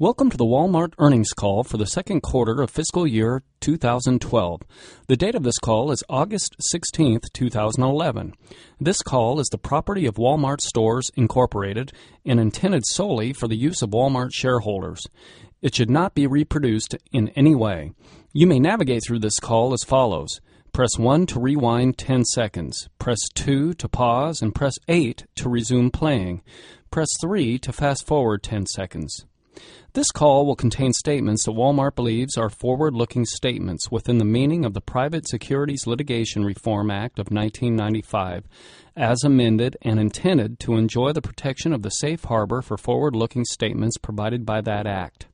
Welcome to the Walmart Earnings Call for the Second Quarter of Fiscal Year 2012. The date of this call is August 16th 2011. This call is the property of Wal-Mart Stores, Incorporated and intended solely for the use of Walmart shareholders. It should not be reproduced in any way. You may navigate through this call as follows: press one to rewind 10 seconds, press two to pause, and press eight to resume playing. Press three to fast forward 10 seconds. This call will contain statements that Walmart believes are forward-looking statements within the meaning of the Private Securities Litigation Reform Act of 1995, as amended and intended to enjoy the protection of the safe harbor for forward-looking statements provided by that act.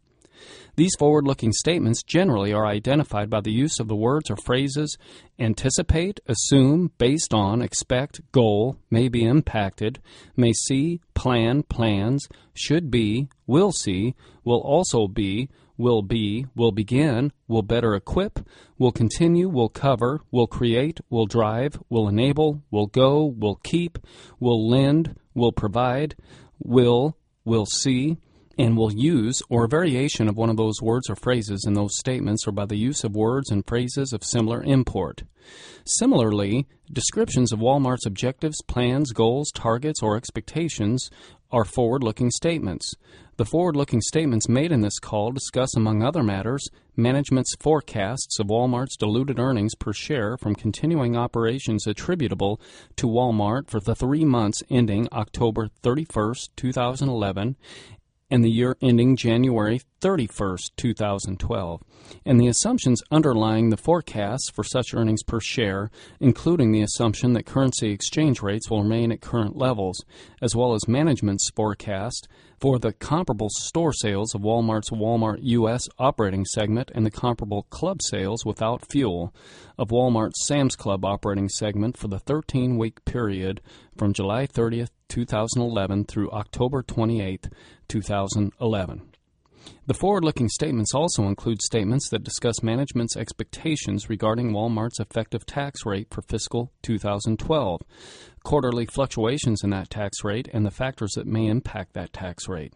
These forward-looking statements generally are identified by the use of the words or phrases anticipate, assume, based on, expect, goal, may be impacted, may see, plan, plans, should be, will see, will also be, will be, will begin, will better equip, will continue, will cover, will create, will drive, will enable, will go, will keep, will lend, will provide, will, will see, and will use, or a variation of one of those words or phrases in those statements or by the use of words and phrases of similar import. Similarly, descriptions of Walmart's objectives, plans, goals, targets, or expectations are forward-looking statements. The forward-looking statements made in this call discuss, among other matters, management's forecasts of Walmart's diluted earnings per share from continuing operations attributable to Walmart for the three months ending October 31st 2011, and the year ending January 31st 2012, and the assumptions underlying the forecast for such earnings per share, including the assumption that currency exchange rates will remain at current levels, as well as management's forecast for the comparable store sales of Walmart's Walmart U.S. operating segment and the comparable club sales without fuel of Walmart Sam's Club operating segment for the 13-week period from July 30th 2011, through October 28th 2011. The forward-looking statements also include statements that discuss management's expectations regarding Walmart's effective tax rate for fiscal 2012, quarterly fluctuations in that tax rate, and the factors that may impact that tax rate.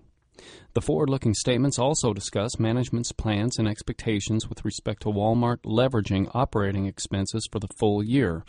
The forward-looking statements also discuss management's plans and expectations with respect to Walmart leveraging operating expenses for the full year,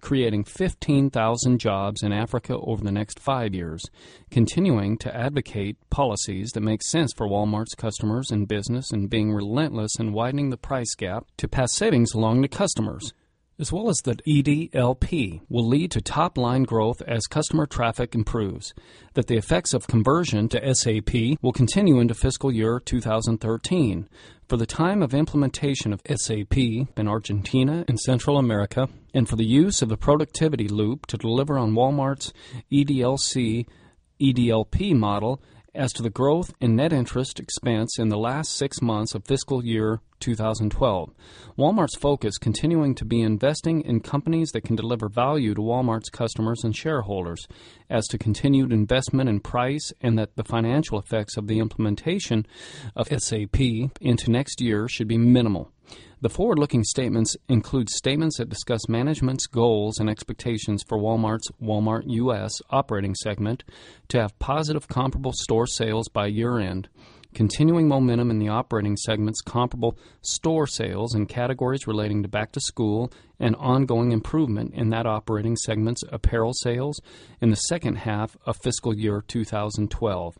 creating 15,000 jobs in Africa over the next five years, continuing to advocate policies that make sense for Walmart's customers and business, and being relentless in widening the price gap to pass savings along to customers, as well as that EDLP will lead to top-line growth as customer traffic improves, that the effects of conversion to SAP will continue into fiscal year 2013, for the time of implementation of SAP in Argentina and Central America, and for the use of the productivity loop to deliver on Walmart's EDLC-EDLP model as to the growth in net interest expense in the last six months of fiscal year 2012. Walmart's focus continuing to be investing in companies that can deliver value to Walmart's customers and shareholders as to continued investment in price and that the financial effects of the implementation of SAP into next year should be minimal. The forward-looking statements include statements that discuss management's goals and expectations for Walmart's Walmart U.S. operating segment to have positive comparable store sales by year-end, continuing momentum in the operating segment's comparable store sales in categories relating to back-to-school and ongoing improvement in that operating segment's apparel sales in the second half of fiscal year 2012,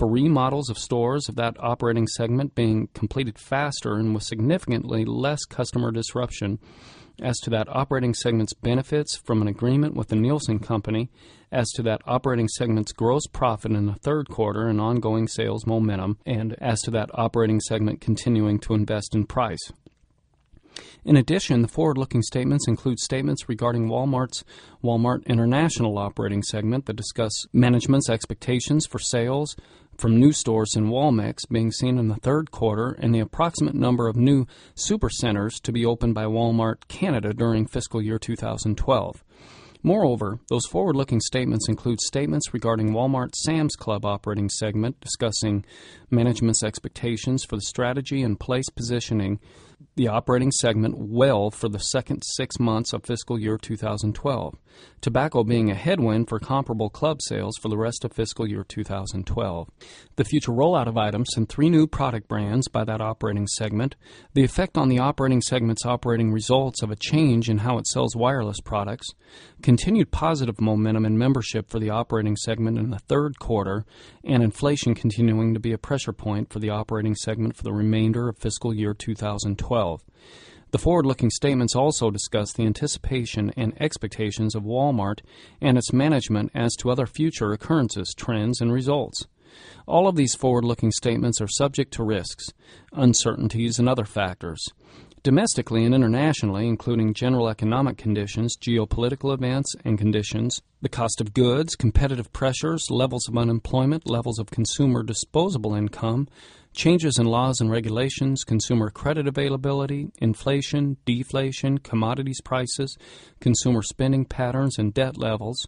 for remodels of stores of that operating segment being completed faster and with significantly less customer disruption, as to that operating segment's benefits from an agreement with the Nielsen Company, as to that operating segment's gross profit in the third quarter and ongoing sales momentum, and as to that operating segment continuing to invest in price. In addition, the forward-looking statements include statements regarding Walmart's Walmart International operating segment that discuss management's expectations for sales from new stores in Walmex being seen in the third quarter and the approximate number of new supercenters to be opened by Walmart Canada during fiscal year 2012. Moreover, those forward-looking statements include statements regarding Walmart Sam's Club operating segment discussing management's expectations for the strategy and place positioning the operating segment well for the second six months of fiscal year 2012, tobacco being a headwind for comparable club sales for the rest of fiscal year 2012, the future rollout of items and three new product brands by that operating segment, the effect on the operating segment's operating results of a change in how it sells wireless products, continued positive momentum in membership for the operating segment in the third quarter, and inflation continuing to be a pressure point for the operating segment for the remainder of fiscal year 2012. The forward-looking statements also discuss the anticipation and expectations of Walmart and its management as to other future occurrences, trends, and results. All of these forward-looking statements are subject to risks, uncertainties, and other factors, domestically and internationally, including general economic conditions, geopolitical events and conditions, the cost of goods, competitive pressures, levels of unemployment, levels of consumer disposable income, changes in laws and regulations, consumer credit availability, inflation, deflation, commodities prices, consumer spending patterns, and debt levels,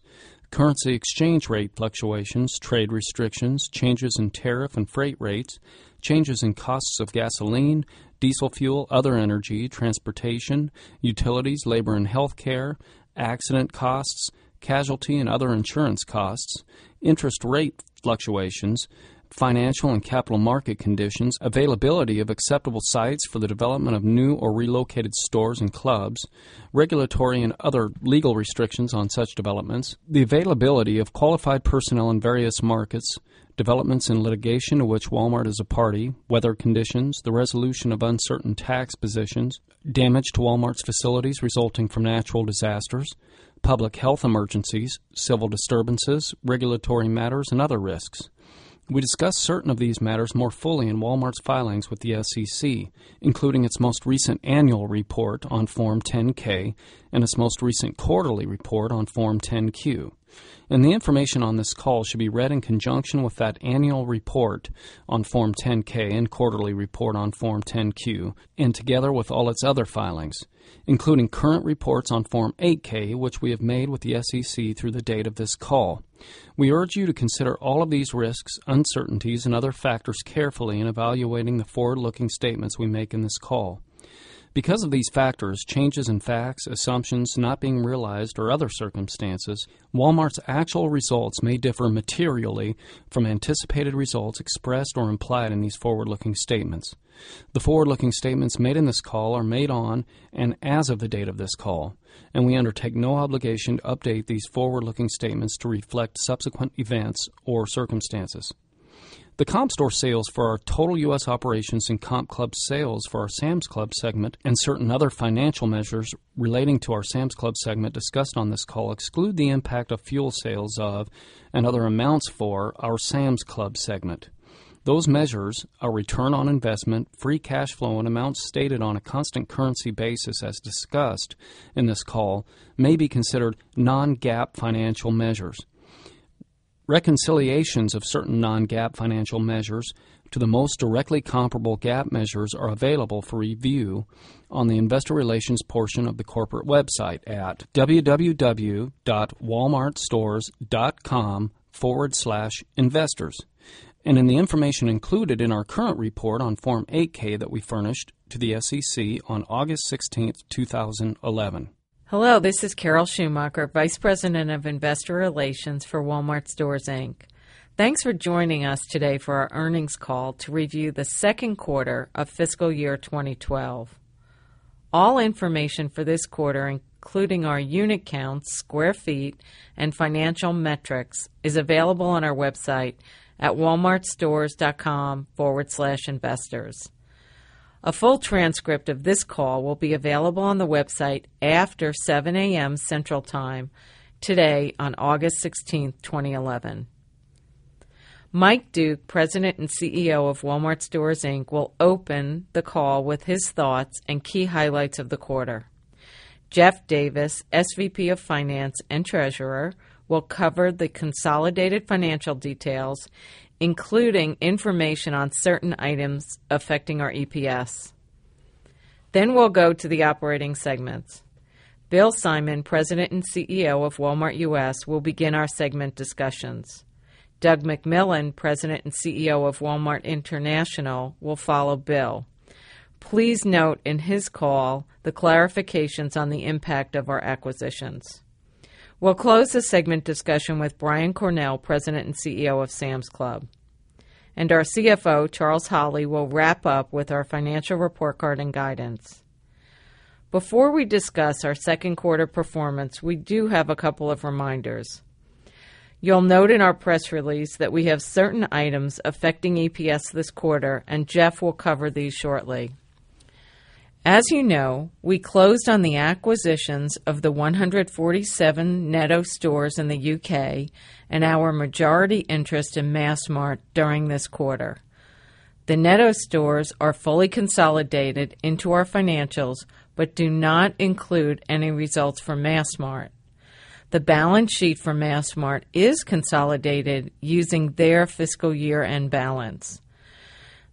currency exchange rate fluctuations, trade restrictions, changes in tariff and freight rates, changes in costs of gasoline, diesel fuel, other energy, transportation, utilities, labor, and healthcare, accident costs, casualty and other insurance costs, interest rate fluctuations, financial and capital market conditions, availability of acceptable sites for the development of new or relocated stores and clubs, regulatory and other legal restrictions on such developments, the availability of qualified personnel in various markets, developments in litigation to which Walmart is a party, weather conditions, the resolution of uncertain tax positions, damage to Walmart's facilities resulting from natural disasters, public health emergencies, civil disturbances, regulatory matters, and other risks. We discuss certain of these matters more fully in Walmart's filings with the SEC, including its most recent annual report on Form 10-K and its most recent quarterly report on Form 10-Q. The information on this call should be read in conjunction with the annual report on Form 10-K and quarterly report on Form 10-Q, together with all its other filings, including current reports on Form 8-K, which we have made with the SEC through the date of this call. We urge you to consider all of these risks, uncertainties, and other factors carefully in evaluating the forward-looking statements we make in this call. Because of these factors, changes in facts, assumptions not being realized, or other circumstances, Walmart's actual results may differ materially from anticipated results expressed or implied in these forward-looking statements. The forward-looking statements made in this call are made on and as of the date of this call, and we undertake no obligation to update these forward-looking statements to reflect subsequent events or circumstances. The comp store sales for our total U.S. operations and comp club sales for our Sam's Club segment and certain other financial measures relating to our Sam's Club segment discussed on this call exclude the impact of fuel sales and other amounts for our Sam's Club segment. Those measures, a return on investment, free cash flow, and amounts stated on a constant currency basis as discussed in this call may be considered non-GAAP financial measures. Reconciliations of certain non-GAAP financial measures to the most directly comparable GAAP measures are available for review on the investor relations portion of the corporate website at www.walmartstores.com/investors and in the information included in our current report on Form 8-K that we furnished to the SEC on August 16th 2011. Hello, this is Carol Schumacher, Vice President of Investor Relations for Wal-Mart Stores, Inc. Thanks for joining us today for our earnings call to review the second quarter of fiscal year 2012. All information for this quarter, including our unit counts, square feet, and financial metrics, is available on our website at walmartstores.com/investors. A full transcript of this call will be available on the website after 7:00 A.M. Central Time today on August 16th 2011. Mike Duke, President and CEO of Wal-Mart Stores, Inc., will open the call with his thoughts and key highlights of the quarter. Jeff Davis, SVP of Finance and Treasurer, will cover the consolidated financial details, including information on certain items affecting our EPS. We will go to the operating segments. Bill Simon, President and CEO of Walmart U.S., will begin our segment discussions. Doug McMillon, President and CEO of Walmart International, will follow Bill. Please note in his call the clarifications on the impact of our acquisitions. We will close the segment discussion with Brian Cornell, President and CEO of Sam’s Club. Our CFO, Charles Holley, will wrap up with our financial report card and guidance. Before we discuss our second quarter performance, we do have a couple of reminders. You will note in our press release that we have certain items affecting EPS this quarter, and Jeff will cover these shortly. As you know, we closed on the acquisitions of the 147 Netto stores in the U.K. and our majority interest in Massmart during this quarter. The Netto stores are fully consolidated into our financials but do not include any results for Massmart. The balance sheet for Massmart is consolidated using their fiscal year-end balance.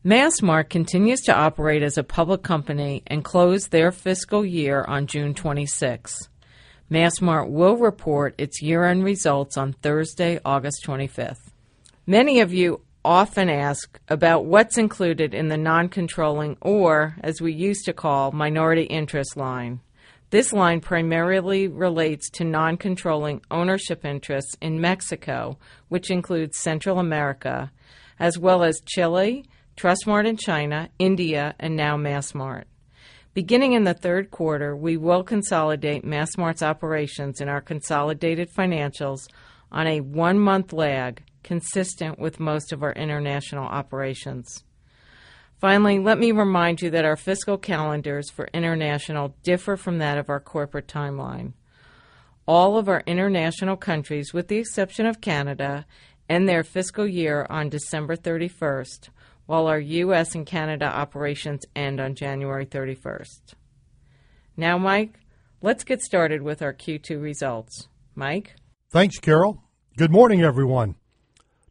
Massmart continues to operate as a public company and closed their fiscal year on June 26. Massmart will report its year-end results on Thursday, August 25th. Many of you often ask about what is included in the non-controlling or, as we used to call, minority interest line. This line primarily relates to non-controlling ownership interests in Mexico, which includes Central America, as well as Chile, Trustmart in China, India, and now Massmart. Beginning in the third quarter, we will consolidate Massmart’s operations in our consolidated financials on a one-month lag consistent with most of our international operations. Finally, let me remind you that our fiscal calendars for international differ from that of our corporate timeline. All of our international countries, with the exception of Canada, end their fiscal year on December 31st, while our U.S. and Canada operations end on January 31st. Now, Mike, let’s get started with our Q2 results. Mike? Thanks, Carol. Good morning, everyone.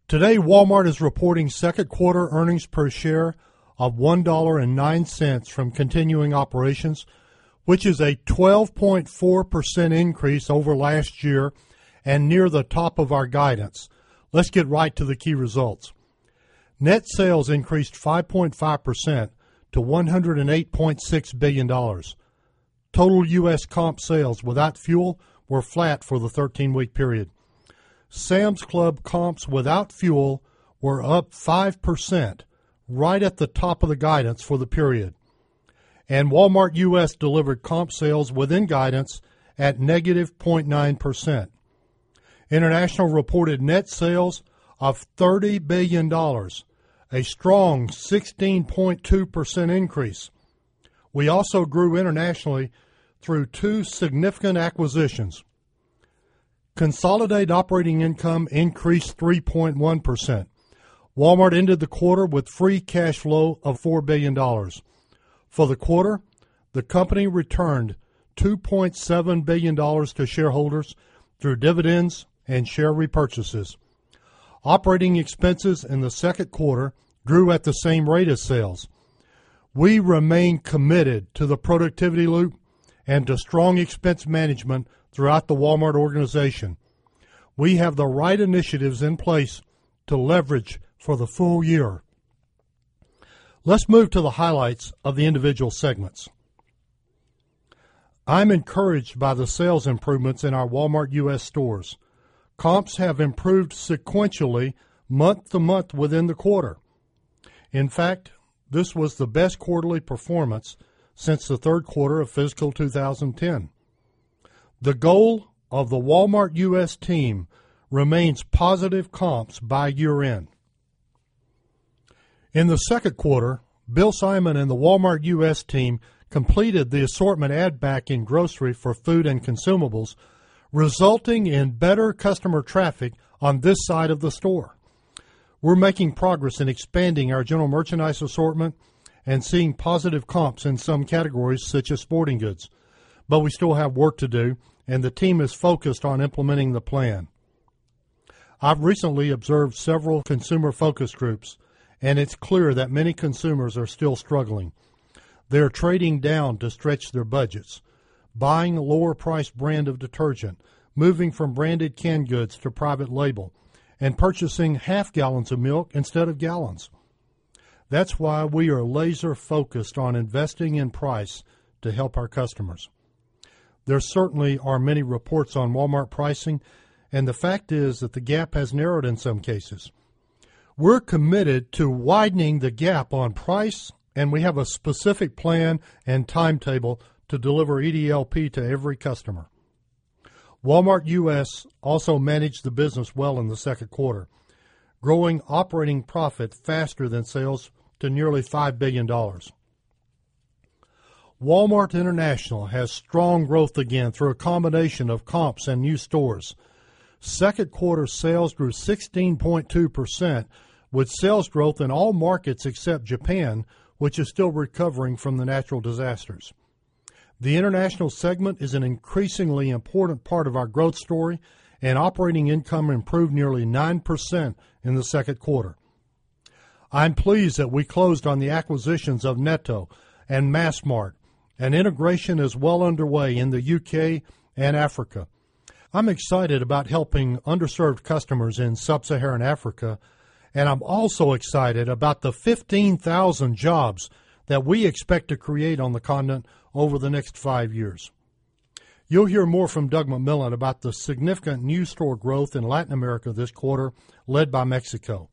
Today, Walmart is reporting second-quarter earnings per share of $1.09 from continuing operations, which is a 12.4% increase over last year and near the top of our guidance. Let's get right to the key results. Net sales increased 5.5% to $108.6 billion. Total U.S. comp sales without fuel were flat for the 13-week period. Sam's Club comps without fuel were up 5%, right at the top of the guidance for the period. Walmart U.S. delivered comp sales within guidance at -0.9%. International reported net sales of $30 billion, a strong 16.2% increase. We also grew internationally through two significant acquisitions. Consolidated operating income increased 3.1%. Walmart ended the quarter with free cash flow of $4 billion. For the quarter, the company returned $2.7 billion to shareholders through dividends and share repurchases. Operating expenses in the second quarter grew at the same rate as sales. We remain committed to the productivity loop and to strong expense management throughout the Walmart organization. We have the right initiatives in place to leverage for the full year. Let's move to the highlights of the individual segments. I'm encouraged by the sales improvements in our Walmart U.S. stores. Comps have improved sequentially month to month within the quarter. In fact, this was the best quarterly performance since the third quarter of fiscal 2010. The goal of the Walmart U.S. team remains positive comps by year-end. In the second quarter, Bill Simon and the Walmart U.S. team completed the assortment add-back in grocery for food and consumables, resulting in better customer traffic on this side of the store. We're making progress in expanding our general merchandise assortment and seeing positive comps in some categories, such as sporting goods, but we still have work to do, and the team is focused on implementing the plan. I've recently observed several consumer focus groups, and it's clear that many consumers are still struggling. They're trading down to stretch their budgets, buying a lower-priced brand of detergent, moving from branded canned goods to private label, and purchasing half gallons of milk instead of gallons. That's why we are laser-focused on investing in price to help our customers. There certainly are many reports on Walmart pricing, and the fact is that the gap has narrowed in some cases. We're committed to widening the gap on price, and we have a specific plan and timetable to deliver EDLP to every customer. Walmart U.S. also managed the business well in the second quarter, growing operating profit faster than sales to nearly $5 billion. Walmart International has strong growth again through a combination of comps and new stores. Second quarter sales grew 16.2%, with sales growth in all markets except Japan, which is still recovering from the natural disasters. The international segment is an increasingly important part of our growth story, and operating income improved nearly 9% in the second quarter. I'm pleased that we closed on the acquisitions of Netto and Massmart, and integration is well underway in the U.K. and Africa. I'm excited about helping underserved customers in Sub-Saharan Africa, and I'm also excited about the 15,000 jobs that we expect to create on the continent over the next five years. You'll hear more from Doug McMillon about the significant new store growth in Latin America this quarter, led by Mexico.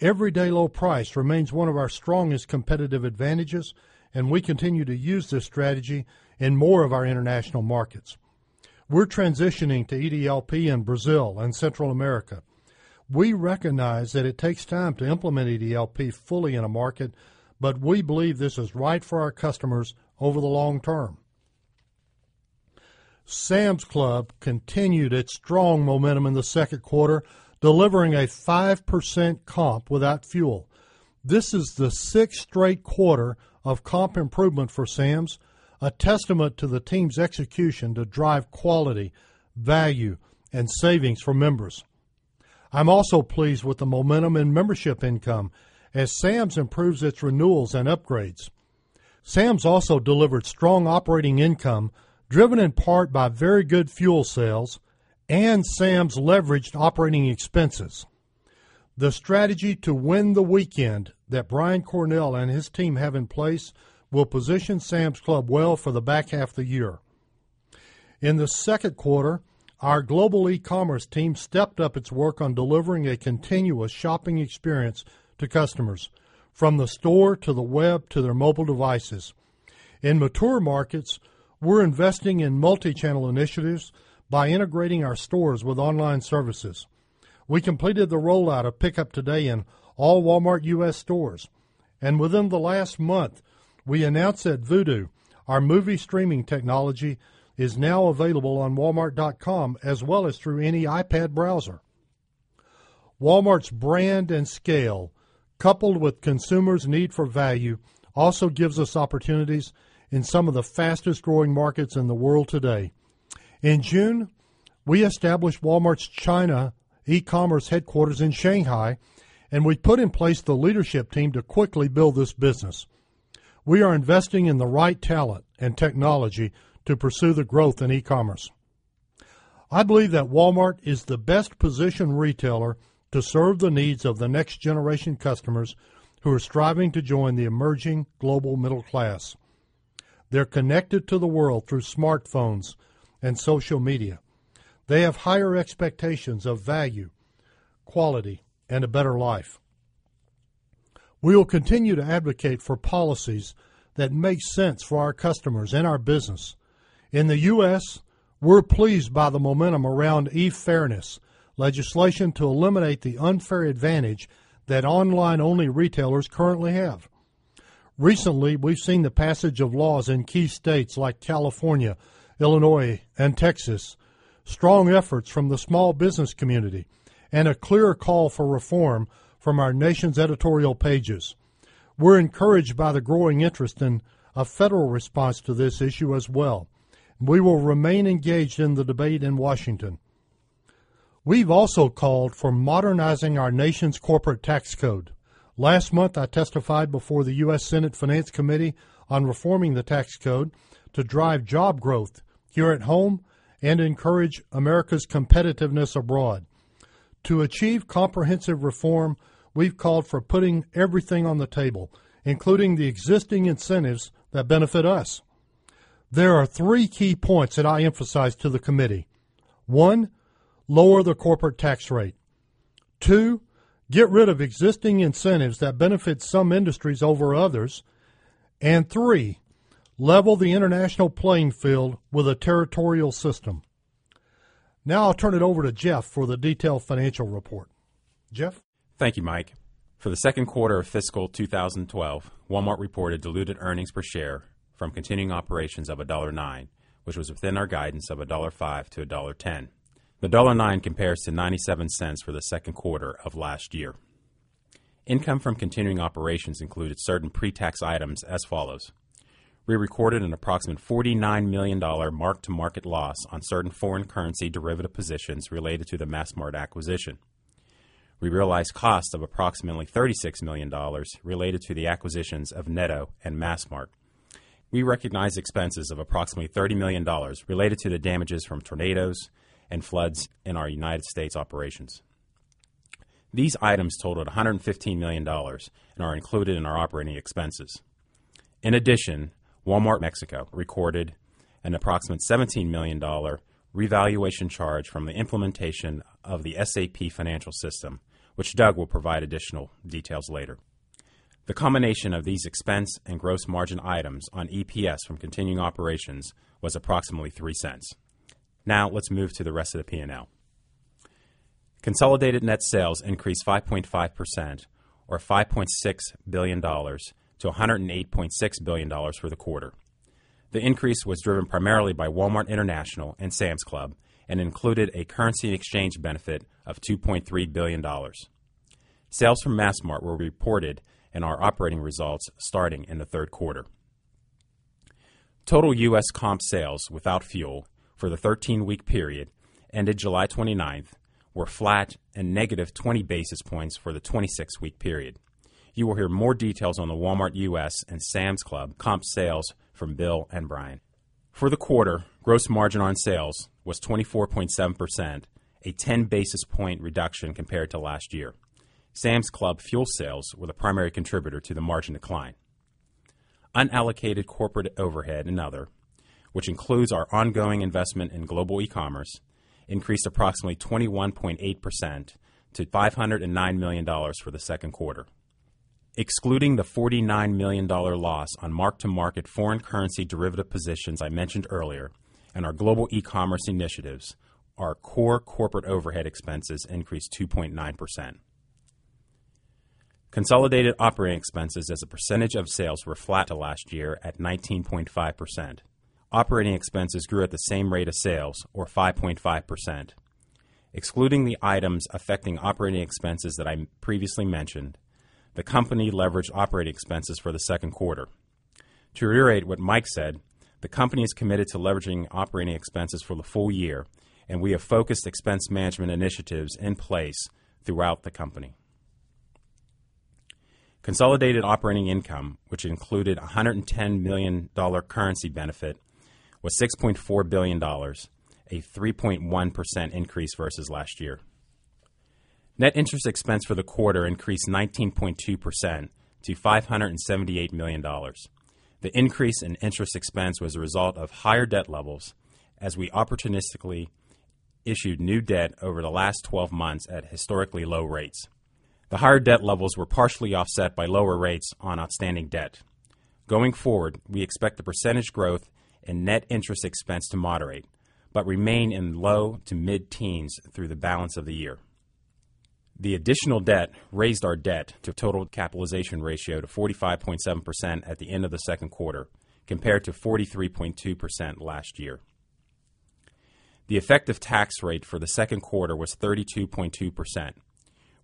Everyday low price remains one of our strongest competitive advantages, and we continue to use this strategy in more of our international markets. We're transitioning to EDLP in Brazil and Central America. We recognize that it takes time to implement EDLP fully in a market, but we believe this is right for our customers over the long term. Sam's Club continued its strong momentum in the second quarter, delivering a 5% comp without fuel. This is the sixth straight quarter of comp improvement for Sam's, a testament to the team's execution to drive quality, value, and savings for members. I'm also pleased with the momentum in membership income as Sam's improves its renewals and upgrades. Sam's also delivered strong operating income, driven in part by very good fuel sales and Sam's leveraged operating expenses. The strategy to win the weekend that Brian Cornell and his team have in place will position Sam's Club well for the back half of the year. In the second quarter, our Global eCommerce team stepped up its work on delivering a continuous shopping experience to customers, from the store to the web to their mobile devices. In mature markets, we're investing in multi-channel initiatives by integrating our stores with online services. We completed the rollout of Pick Up Today in all Walmart U.S. stores. Within the last month, we announced that Vudu, our movie streaming technology, is now available on walmart.com as well as through any iPad browser. Walmart's brand and scale, coupled with consumers' need for value, also gives us opportunities in some of the fastest-growing markets in the world today. In June, we established Walmart's China e-commerce headquarters in Shanghai, and we put in place the leadership team to quickly build this business. We are investing in the right talent and technology to pursue the growth in e-commerce. I believe that Walmart is the best-positioned retailer to serve the needs of the next-generation customers who are striving to join the emerging global middle class. They're connected to the world through smartphones and social media. They have higher expectations of value, quality, and a better life. We will continue to advocate for policies that make sense for our customers and our business. In the U.S., we're pleased by the momentum around e-fairness legislation to eliminate the unfair advantage that online-only retailers currently have. Recently, we've seen the passage of laws in key states like California, Illinois, and Texas, strong efforts from the small business community, and a clear call for reform from our nation's editorial pages. We're encouraged by the growing interest in a federal response to this issue as well, and we will remain engaged in the debate in Washington. We've also called for modernizing our nation's corporate tax code. Last month, I testified before the U.S. Senate Finance Committee on reforming the tax code to drive job growth here at home and encourage America's competitiveness abroad. To achieve comprehensive reform, we've called for putting everything on the table, including the existing incentives that benefit us. There are three key points that I emphasize to the committee: one, lower the corporate tax rate; two, get rid of existing incentives that benefit some industries over others; and three, level the international playing field with a territorial system. Now I'll turn it over to Jeff for the detailed financial report. Jeff? Thank you, Mike. For the second quarter of fiscal 2012, Walmart reported diluted earnings per share from continuing operations of $1.09, which was within our guidance of $1.05-$1.10. The $1.09 compares to $0.97 for the second quarter of last year. Income from continuing operations included certain pre-tax items as follows: we recorded an approximate $49 million mark-to-market loss on certain foreign currency derivative positions related to the Massmart acquisition. We realized costs of approximately $36 million related to the acquisitions of Netto and Massmart. We recognized expenses of approximately $30 million related to the damages from tornadoes and floods in our United States operations. These items totaled $115 million and are included in our operating expenses. In addition, Walmart Mexico recorded an approximate $17 million revaluation charge from the implementation of the SAP financial system, which Doug will provide additional details later. The combination of these expense and gross margin items on EPS from continuing operations was approximately $0.03. Now let's move to the rest of the P&L. Consolidated net sales increased 5.5%, or $5.6 billion, to $108.6 billion for the quarter. The increase was driven primarily by Walmart International and Sam's Club and included a currency exchange benefit of $2.3 billion. Sales from Massmart were reported in our operating results starting in the third quarter. Total U.S. comp sales without fuel for the 13-week period ended July 29th, were flat and -20 basis points for the 26-week period. You will hear more details on the Walmart U.S. and Sam's Club comp sales from Bill and Brian. For the quarter, gross margin on sales was 24.7%, a 10 basis point reduction compared to last year. Sam's Club fuel sales were the primary contributor to the margin decline. Unallocated corporate overhead and other, which includes our ongoing investment in Global eCommerce, increased approximately 21.8% to $509 million for the second quarter. Excluding the $49 million loss on mark-to-market foreign currency derivative positions I mentioned earlier and our Global eCommerce initiatives, our core corporate overhead expenses increased 2.9%. Consolidated operating expenses as a percentage of sales were flat to last year at 19.5%. Operating expenses grew at the same rate of sales, or 5.5%. Excluding the items affecting operating expenses that I previously mentioned, the company leveraged operating expenses for the second quarter. To reiterate what Mike said, the company is committed to leveraging operating expenses for the full year, and we have focused expense management initiatives in place throughout the company. Consolidated operating income, which included a $110 million currency benefit, was $6.4 billion, a 3.1% increase versus last year. Net interest expense for the quarter increased 19.2% to $578 million. The increase in interest expense was a result of higher debt levels as we opportunistically issued new debt over the last 12 months at historically low rates. The higher debt levels were partially offset by lower rates on outstanding debt. Going forward, we expect the percentage growth in net interest expense to moderate but remain in the low to mid-teens through the balance of the year. The additional debt raised our debt-to-total capitalization ratio to 45.7% at the end of the second quarter, compared to 43.2% last year. The effective tax rate for the second quarter was 32.2%.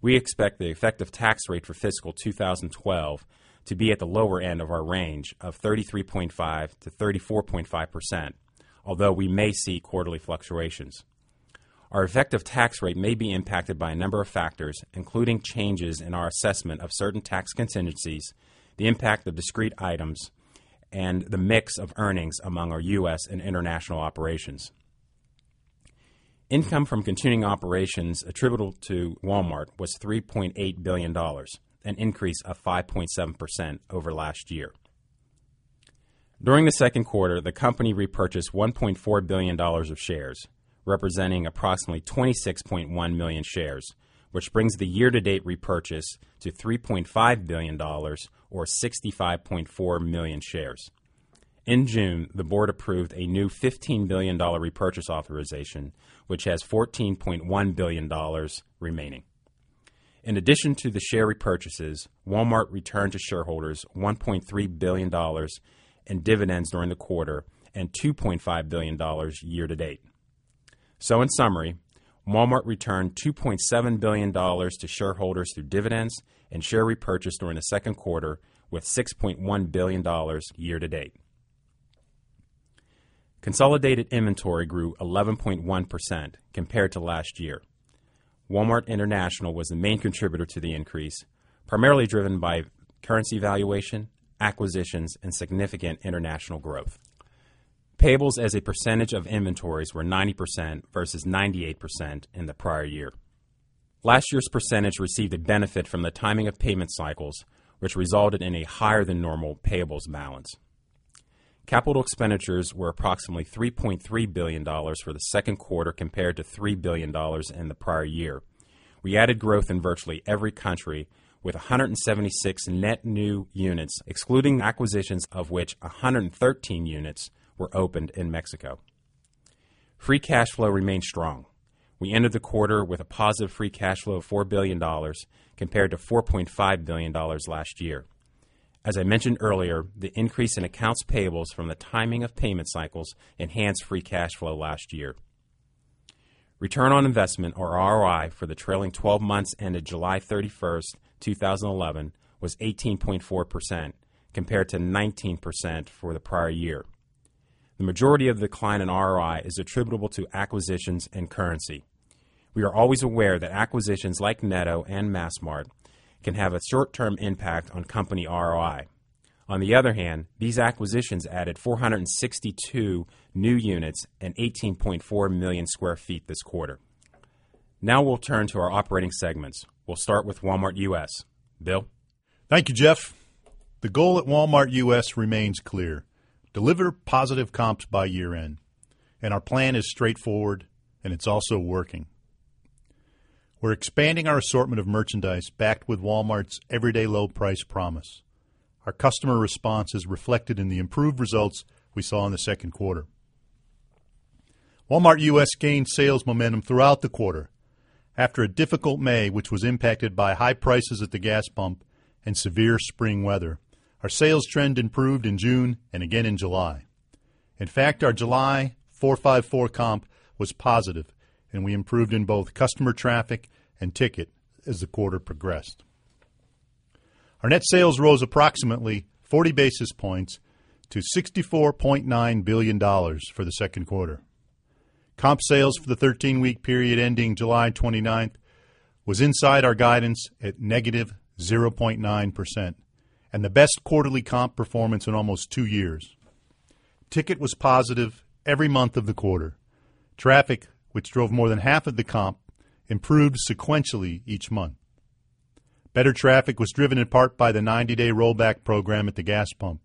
We expect the effective tax rate for fiscal 2012 to be at the lower end of our range of 33.5%-34.5%, although we may see quarterly fluctuations. Our effective tax rate may be impacted by a number of factors, including changes in our assessment of certain tax contingencies, the impact of discrete items, and the mix of earnings among our U.S. and international operations. Income from continuing operations attributable to Walmart was $3.8 billion, an increase of 5.7% over last year. During the second quarter, the company repurchased $1.4 billion of shares, representing approximately 26.1 million shares, which brings the year-to-date repurchase to $3.5 billion, or 65.4 million shares. In June, the board approved a new $15 billion repurchase authorization, which has $14.1 billion remaining. In addition to the share repurchases, Walmart returned to shareholders $1.3 billion in dividends during the quarter and $2.5 billion year-to-date. In summary, Walmart returned $2.7 billion to shareholders through dividends and share repurchase during the second quarter, with $6.1 billion year-to-date. Consolidated inventory grew 11.1% compared to last year. Walmart International was the main contributor to the increase, primarily driven by currency valuation, acquisitions, and significant international growth. Payables as a percentage of inventories were 90% versus 98% in the prior year. Last year's percentage received a benefit from the timing of payment cycles, which resulted in a higher-than-normal payables balance. Capital expenditures were approximately $3.3 billion for the second quarter, compared to $3 billion in the prior year. We added growth in virtually every country, with 176 net new units, excluding acquisitions, of which 113 units were opened in Mexico. Free cash flow remained strong. We ended the quarter with a positive free cash flow of $4 billion, compared to $4.5 billion last year. As I mentioned earlier, the increase in accounts payables from the timing of payment cycles enhanced free cash flow last year. Return on investment, or ROI, for the trailing 12 months ended July 31st 2011, was 18.4%, compared to 19% for the prior year. The majority of the decline in ROI is attributable to acquisitions and currency. We are always aware that acquisitions like Netto and Massmart can have a short-term impact on company ROI. On the other hand, these acquisitions added 462 new units and 18.4 million sq ft this quarter. Now we'll turn to our operating segments. We'll start with Walmart U.S. Bill? Thank you, Jeff. The goal at Walmart U.S. remains clear: deliver positive comps by year-end. Our plan is straightforward, and it's also working. We're expanding our assortment of merchandise backed with Walmart's everyday low-price promise. Our customer response is reflected in the improved results we saw in the second quarter. Walmart U.S. gained sales momentum throughout the quarter. After a difficult May, which was impacted by high prices at the gas pump and severe spring weather, our sales trend improved in June and again in July. In fact, our July 4-5-4 comp was positive, and we improved in both customer traffic and ticket as the quarter progressed. Our net sales rose approximately 40 basis points to $64.9 billion for the second quarter. Comp sales for the 13-week period ending July 29th was inside our guidance at -0.9% and the best quarterly comp performance in almost two years. Ticket was positive every month of the quarter. Traffic, which drove more than half of the comp, improved sequentially each month. Better traffic was driven in part by the 90-day rollback program at the gas pump.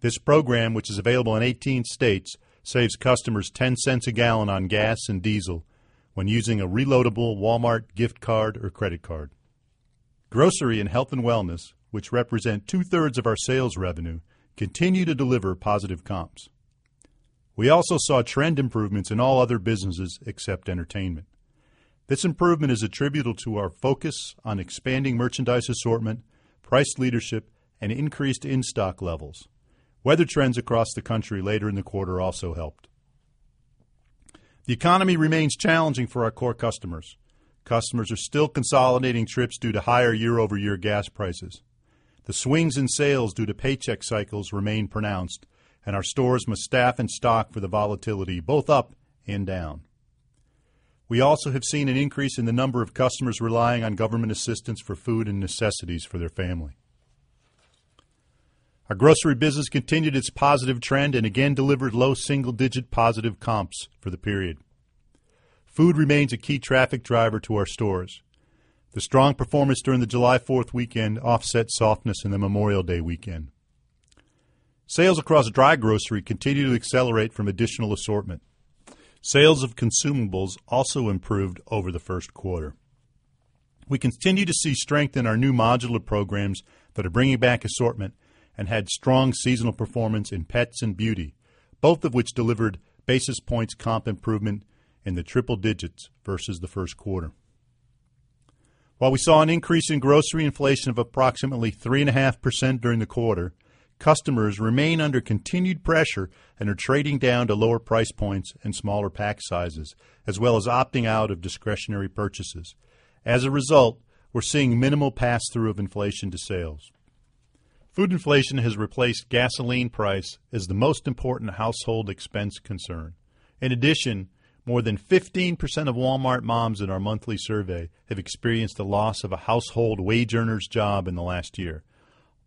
This program, which is available in 18 states, saves customers $0.10 a gallon on gas and diesel when using a reloadable Walmart gift card or credit card. Grocery and health and wellness, which represent two-thirds of our sales revenue, continue to deliver positive comps. We also saw trend improvements in all other businesses except entertainment. This improvement is attributable to our focus on expanding merchandise assortment, price leadership, and increased in-stock levels. Weather trends across the country later in the quarter also helped. The economy remains challenging for our core customers. Customers are still consolidating trips due to higher year-over-year gas prices. The swings in sales due to paycheck cycles remain pronounced, and our stores must staff and stock for the volatility both up and down. We also have seen an increase in the number of customers relying on government assistance for food and necessities for their family. Our grocery business continued its positive trend and again delivered low single-digit positive comps for the period. Food remains a key traffic driver to our stores. The strong performance during the July 4th weekend offset softness in the Memorial Day weekend. Sales across dry grocery continue to accelerate from additional assortment. Sales of consumables also improved over the first quarter. We continue to see strength in our new modular programs that are bringing back assortment and had strong seasonal performance in pets and beauty, both of which delivered basis points comp improvement in the triple digits versus the first quarter. While we saw an increase in grocery inflation of approximately 3.5% during the quarter, customers remain under continued pressure and are trading down to lower price points and smaller pack sizes, as well as opting out of discretionary purchases. As a result, we're seeing minimal pass-through of inflation to sales. Food inflation has replaced gasoline price as the most important household expense concern. In addition, more than 15% of Walmart moms in our monthly survey have experienced a loss of a household wage earner's job in the last year.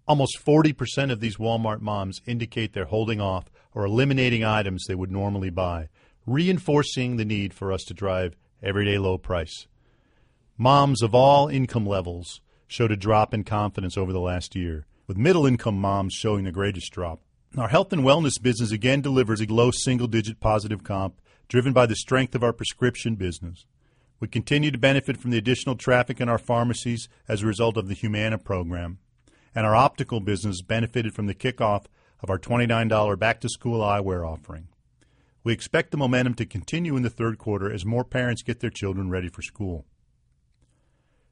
Almost 40% of these Walmart moms indicate they're holding off or eliminating items they would normally buy, reinforcing the need for Everyday Low Price. Moms of all income levels showed a drop in confidence over the last year, with middle-income moms showing the greatest drop. Our health and wellness business again delivers a low single-digit positive comp, driven by the strength of our prescription business. We continue to benefit from the additional traffic in our pharmacies as a result of the Humana program, and our optical business benefited from the kickoff of our $29 back-to-school eyewear offering. We expect the momentum to continue in the third quarter as more parents get their children ready for school.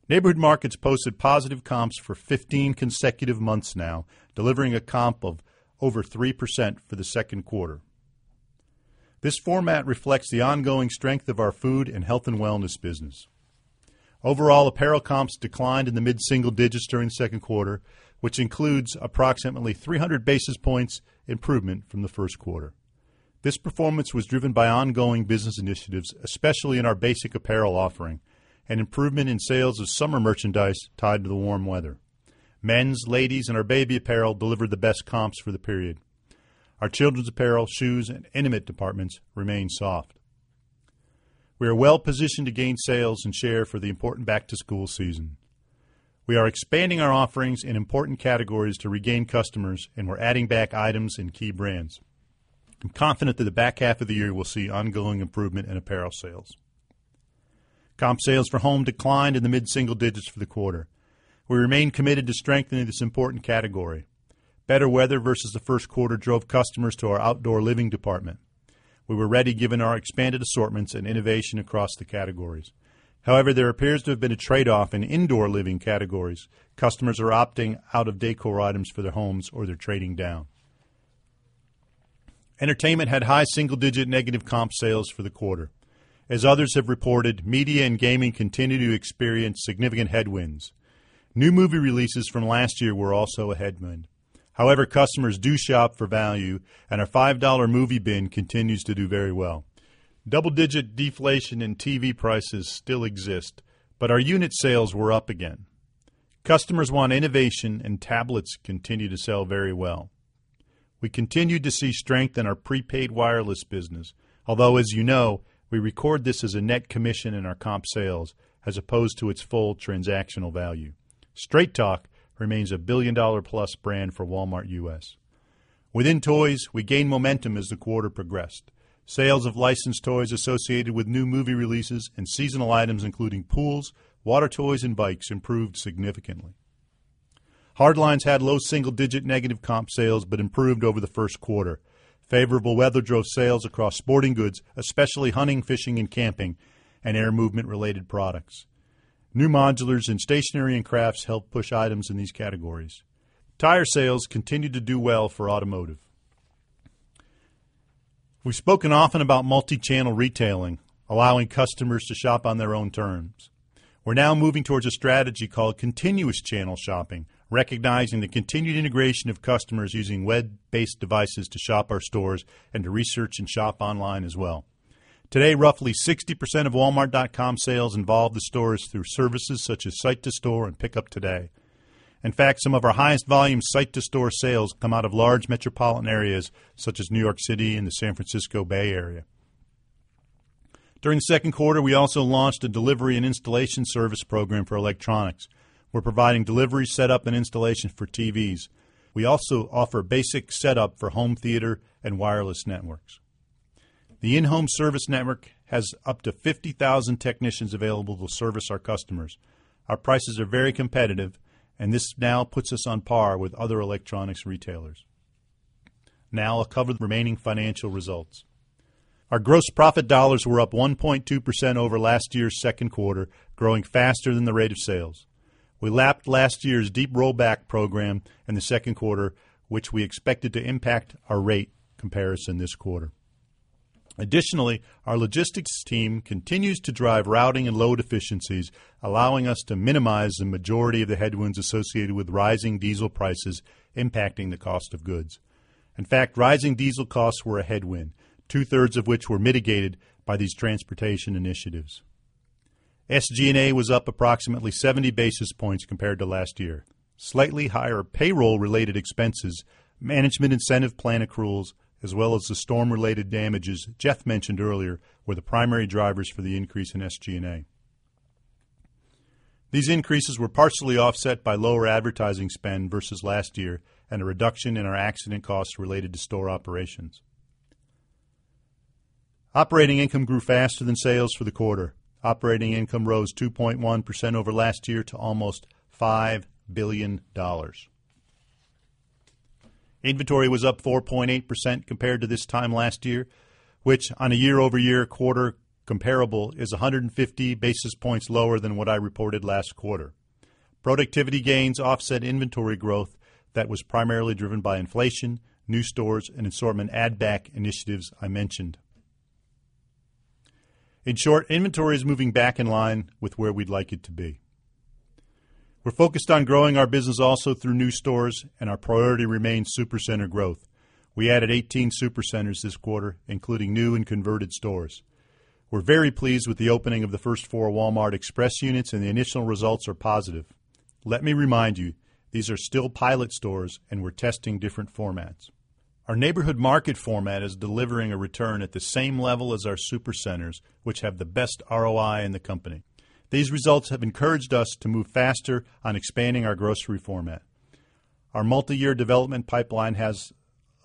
Neighborhood markets posted positive comps for 15 consecutive months now, delivering a comp of over 3% for the second quarter. This format reflects the ongoing strength of our food and health and wellness business. Overall, apparel comps declined in the mid-single digits during the second quarter, which includes approximately 300 basis points improvement from the first quarter. This performance was driven by ongoing business initiatives, especially in our basic apparel offering and improvement in sales of summer merchandise tied to the warm weather. Men's, ladies', and our baby apparel delivered the best comps for the period. Our children's apparel, shoes, and intimate departments remain soft. We are well positioned to gain sales and share for the important back-to-school season. We are expanding our offerings in important categories to regain customers, and we're adding back items and key brands. I'm confident that the back half of the year will see ongoing improvement in apparel sales. Comp sales for home declined in the mid-single digits for the quarter. We remain committed to strengthening this important category. Better weather versus the first quarter drove customers to our outdoor living department. We were ready given our expanded assortments and innovation across the categories. However, there appears to have been a trade-off in indoor living categories. Customers are opting out of decor items for their homes or they're trading down. Entertainment had high single-digit negative comp sales for the quarter. As others have reported, media and gaming continue to experience significant headwinds. New movie releases from last year were also a headwind. However, customers do shop for value, and our $5 movie bin continues to do very well. Double-digit deflation in TV prices still exists, but our unit sales were up again. Customers want innovation, and tablets continue to sell very well. We continue to see strength in our prepaid wireless business, although, as you know, we record this as a net commission in our comp sales as opposed to its full transactional value. Straight Talk remains a $1+ billion brand for Walmart U.S. Within toys, we gained momentum as the quarter progressed. Sales of licensed toys associated with new movie releases and seasonal items, including pools, water toys, and bikes, improved significantly. Hard lines had low single-digit negative comp sales but improved over the first quarter. Favorable weather drove sales across sporting goods, especially hunting, fishing, and camping, and air movement-related products. New modulars in stationery and crafts helped push items in these categories. Tire sales continued to do well for automotive. We've spoken often about multi-channel retailing, allowing customers to shop on their own terms. We're now moving towards a strategy called continuous channel shopping, recognizing the continued integration of customers using web-based devices to shop our stores and to research and shop online as well. Today, roughly 60% of walmart.com sales involve the stores through services such as site-to-store and Pick Up Today. In fact, some of our highest volume site-to-store sales come out of large metropolitan areas such as New York City and the San Francisco Bay Area. During the second quarter, we also launched a delivery and installation service program for electronics. We're providing delivery, setup, and installation for TVs. We also offer basic setup for home theater and wireless networks. The in-home service network has up to 50,000 technicians available to service our customers. Our prices are very competitive, and this now puts us on par with other electronics retailers. Now I'll cover the remaining financial results. Our gross profit dollars were up 1.2% over last year's second quarter, growing faster than the rate of sales. We lapped last year's deep rollback program in the second quarter, which we expected to impact our rate comparison this quarter. Additionally, our logistics team continues to drive routing and load efficiencies, allowing us to minimize the majority of the headwinds associated with rising diesel prices impacting the cost of goods. In fact, rising diesel costs were a headwind, two-thirds of which were mitigated by these transportation initiatives. SG&A was up approximately 70 basis points compared to last year. Slightly higher payroll-related expenses, management incentive plan accruals, as well as the storm-related damages Jeff mentioned earlier were the primary drivers for the increase in SG&A. These increases were partially offset by lower advertising spend versus last year and a reduction in our accident costs related to store operations. Operating income grew faster than sales for the quarter. Operating income rose 2.1% over last year to almost $5 billion. Inventory was up 4.8% compared to this time last year, which on a year-over-year quarter comparable is 150 basis points lower than what I reported last quarter. Productivity gains offset inventory growth that was primarily driven by inflation, new stores, and assortment add-back initiatives I mentioned. In short, inventory is moving back in line with where we'd like it to be. We're focused on growing our business also through new stores, and our priority remains supercenter growth. We added 18 supercenters this quarter, including new and converted stores. We're very pleased with the opening of the first four Walmart Express units, and the initial results are positive. Let me remind you, these are still pilot stores, and we're testing different formats. Our neighborhood market format is delivering a return at the same level as our supercenters, which have the best ROI in the company. These results have encouraged us to move faster on expanding our grocery format. Our multi-year development pipeline has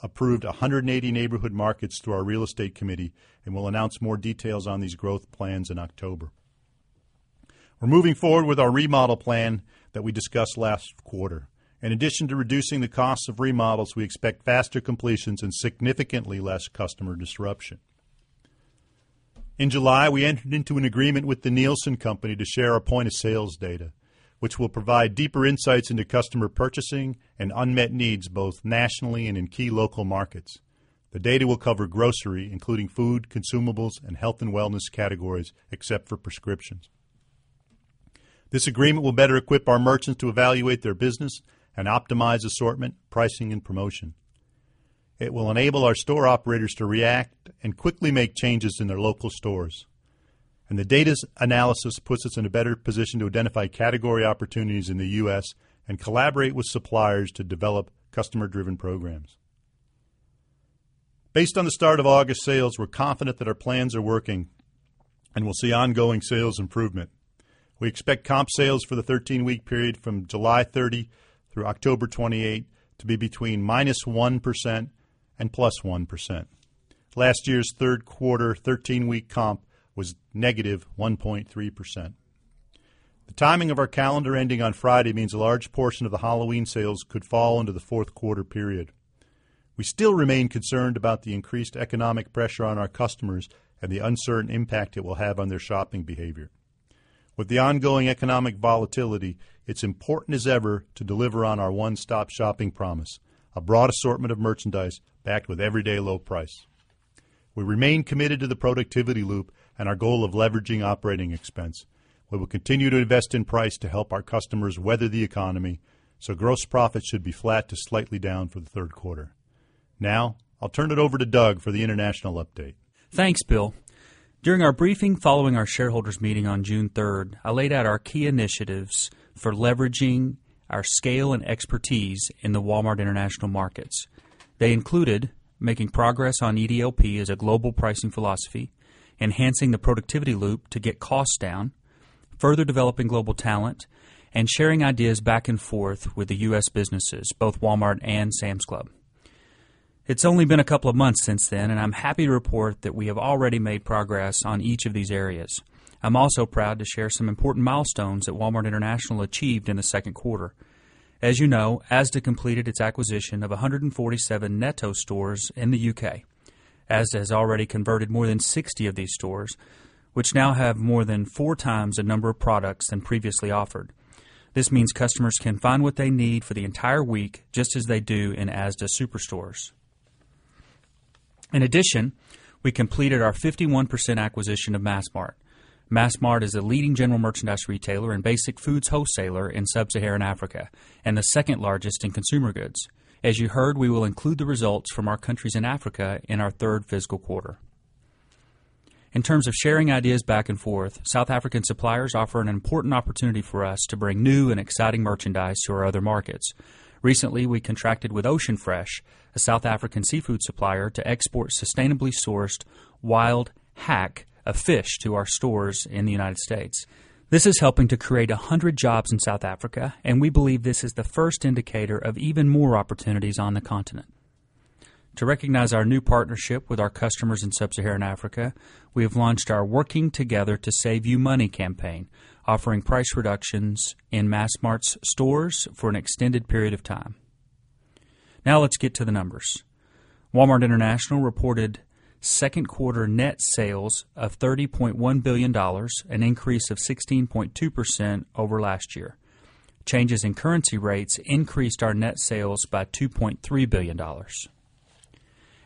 approved 180 Neighborhood Markets through our Real Estate Committee and will announce more details on these growth plans in October. We're moving forward with our remodel plan that we discussed last quarter. In addition to reducing the costs of remodels, we expect faster completions and significantly less customer disruption. In July, we entered into an agreement with The Nielsen Company to share our point-of-sales data, which will provide deeper insights into customer purchasing and unmet needs both nationally and in key local markets. The data will cover grocery, including food, consumables, and health and wellness categories, except for prescriptions. This agreement will better equip our merchants to evaluate their business and optimize assortment, pricing, and promotion. It will enable our store operators to react and quickly make changes in their local stores. The data's analysis puts us in a better position to identify category opportunities in the U.S. and collaborate with suppliers to develop customer-driven programs. Based on the start of August sales, we're confident that our plans are working and we'll see ongoing sales improvement. We expect comp sales for the 13-week period from July 30 through October 28th to be between -1% and +1%. Last year's third quarter 13-week comp was -1.3%. The timing of our calendar ending on Friday means a large portion of the Halloween sales could fall into the fourth quarter period. We still remain concerned about the increased economic pressure on our customers and the uncertain impact it will have on their shopping behavior. With the ongoing economic volatility, it's important as ever to deliver on our one-stop shopping promise: a broad assortment of merchandise packed with Everyday Low Price. We remain committed to the productivity loop and our goal of leveraging operating expense. We will continue to invest in price to help our customers weather the economy, so gross profits should be flat to slightly down for the third quarter. Now I'll turn it over to Doug for the international update. Thanks, Bill. During our briefing following our shareholders' meeting on June 3rd, I laid out our key initiatives for leveraging our scale and expertise in the Walmart International markets. They included making progress on EDLP as a global pricing philosophy, enhancing the productivity loop to get costs down, further developing global talent, and sharing ideas back and forth with the U.S. businesses, both Walmart and Sam’s Club. It's only been a couple of months since then, and I'm happy to report that we have already made progress on each of these areas. I'm also proud to share some important milestones that Walmart International achieved in the second quarter. As you know, Asda completed its acquisition of 147 Netto stores in the U.K. Asda has already converted more than 60 of these stores, which now have more than four times the number of products than previously offered. This means customers can find what they need for the entire week just as they do in Asda superstores. In addition, we completed our 51% acquisition of Massmart. Massmart is a leading general merchandise retailer and basic foods wholesaler in Sub-Saharan Africa and the second largest in consumer goods. As you heard, we will include the results from our countries in Africa in our third fiscal quarter. In terms of sharing ideas back and forth, South African suppliers offer an important opportunity for us to bring new and exciting merchandise to our other markets. Recently, we contracted with Ocean Fresh, a South African seafood supplier, to export sustainably sourced wild hake of fish to our stores in the United States. This is helping to create 100 jobs in South Africa, and we believe this is the first indicator of even more opportunities on the continent. To recognize our new partnership with our customers in Sub-Saharan Africa, we have launched our Working Together to Save You Money campaign, offering price reductions in Massmart's stores for an extended period of time. Now let's get to the numbers. Walmart International reported second quarter net sales of $30.1 billion, an increase of 16.2% over last year. Changes in currency rates increased our net sales by $2.3 billion.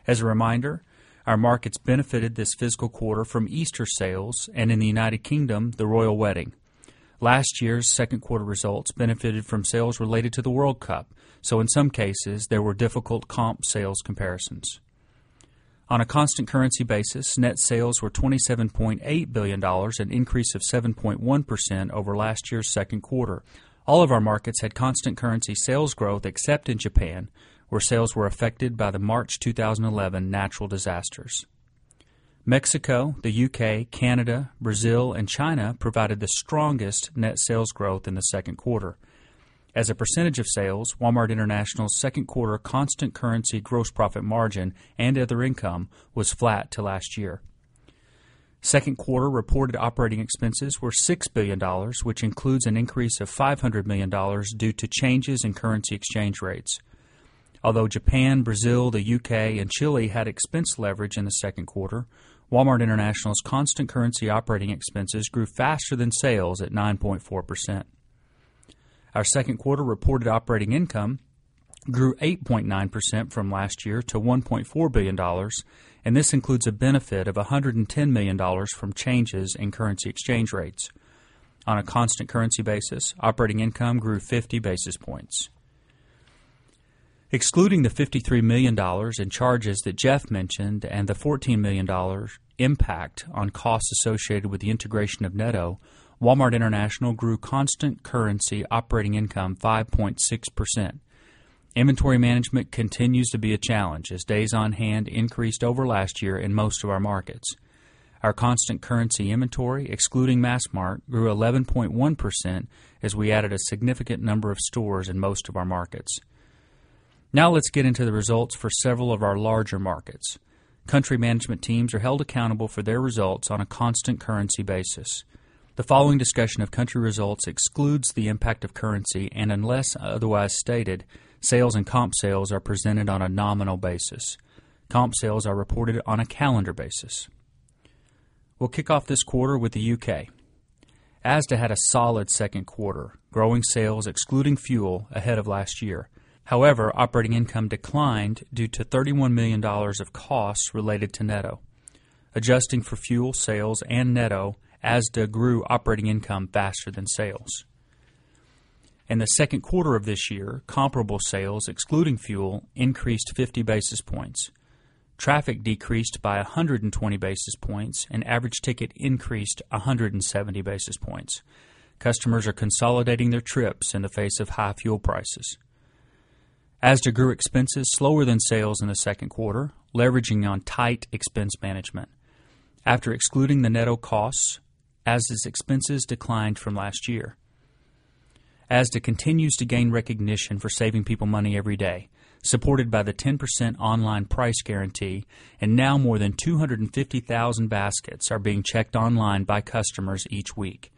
As a reminder, our markets benefited this fiscal quarter from Easter sales and in the United Kingdom, the royal wedding. Last year's second quarter results benefited from sales related to the World Cup, so in some cases, there were difficult comp sales comparisons. On a constant currency basis, net sales were $27.8 billion, an increase of 7.1% over last year's second quarter. All of our markets had constant currency sales growth except in Japan, where sales were affected by the March 2011 natural disasters. Mexico, the U.K., Canada, Brazil, and China provided the strongest net sales growth in the second quarter. As a percentage of sales, Walmart International's second quarter constant currency gross profit margin and other income was flat to last year. Second quarter reported operating expenses were $6 billion, which includes an increase of $500 million due to changes in currency exchange rates. Although Japan, Brazil, the U.K., and Chile had expense leverage in the second quarter, Walmart International's constant currency operating expenses grew faster than sales at 9.4%. Our second quarter reported operating income grew 8.9% from last year to $1.4 billion, and this includes a benefit of $110 million from changes in currency exchange rates. On a constant currency basis, operating income grew 50 basis points. Excluding the $53 million in charges that Jeff mentioned and the $14 million impact on costs associated with the integration of Netto, Walmart International grew constant currency operating income 5.6%. Inventory management continues to be a challenge as days on hand increased over last year in most of our markets. Our constant currency inventory, excluding Massmart, grew 11.1% as we added a significant number of stores in most of our markets. Now let's get into the results for several of our larger markets. Country management teams are held accountable for their results on a constant currency basis. The following discussion of country results excludes the impact of currency and, unless otherwise stated, sales and comp sales are presented on a nominal basis. Comp sales are reported on a calendar basis. We'll kick off this quarter with the U.K.. Asda had a solid second quarter, growing sales, excluding fuel, ahead of last year. However, operating income declined due to $31 million of costs related to Netto. Adjusting for fuel sales and Netto, Asda grew operating income faster than sales. In the second quarter of this year, comparable sales, excluding fuel, increased 50 basis points. Traffic decreased by 120 basis points, and average ticket increased 170 basis points. Customers are consolidating their trips in the face of high fuel prices. Asda grew expenses slower than sales in the second quarter, leveraging on tight expense management. After excluding the Netto costs, Asda's expenses declined from last year. Asda continues to gain recognition for saving people money every day, supported by the 10% online price guarantee, and now more than 250,000 baskets are being checked online by customers each week.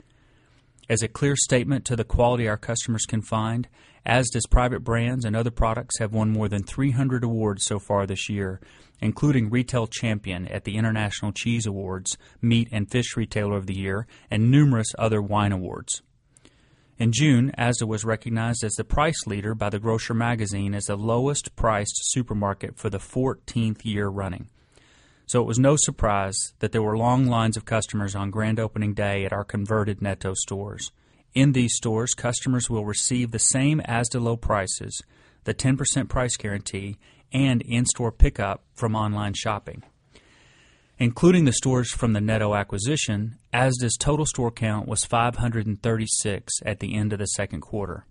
As a clear statement to the quality our customers can find, Asda's private brands and other products have won more than 300 awards so far this year, including Retail Champion at the International Cheese Awards, Meat and Fish Retailer of the Year, and numerous other wine awards. In June, Asda was recognized as the price leader by The Grocer magazine as the lowest-priced supermarket for the 14th year running. It was no surprise that there were long lines of customers on Grand Opening Day at our converted Netto stores. In these stores, customers will receive the same Asda low prices, the 10% price guarantee, and in-store pickup from online shopping. Including the stores from the Netto acquisition, Asda's total store count was 536 at the end of the second quarter.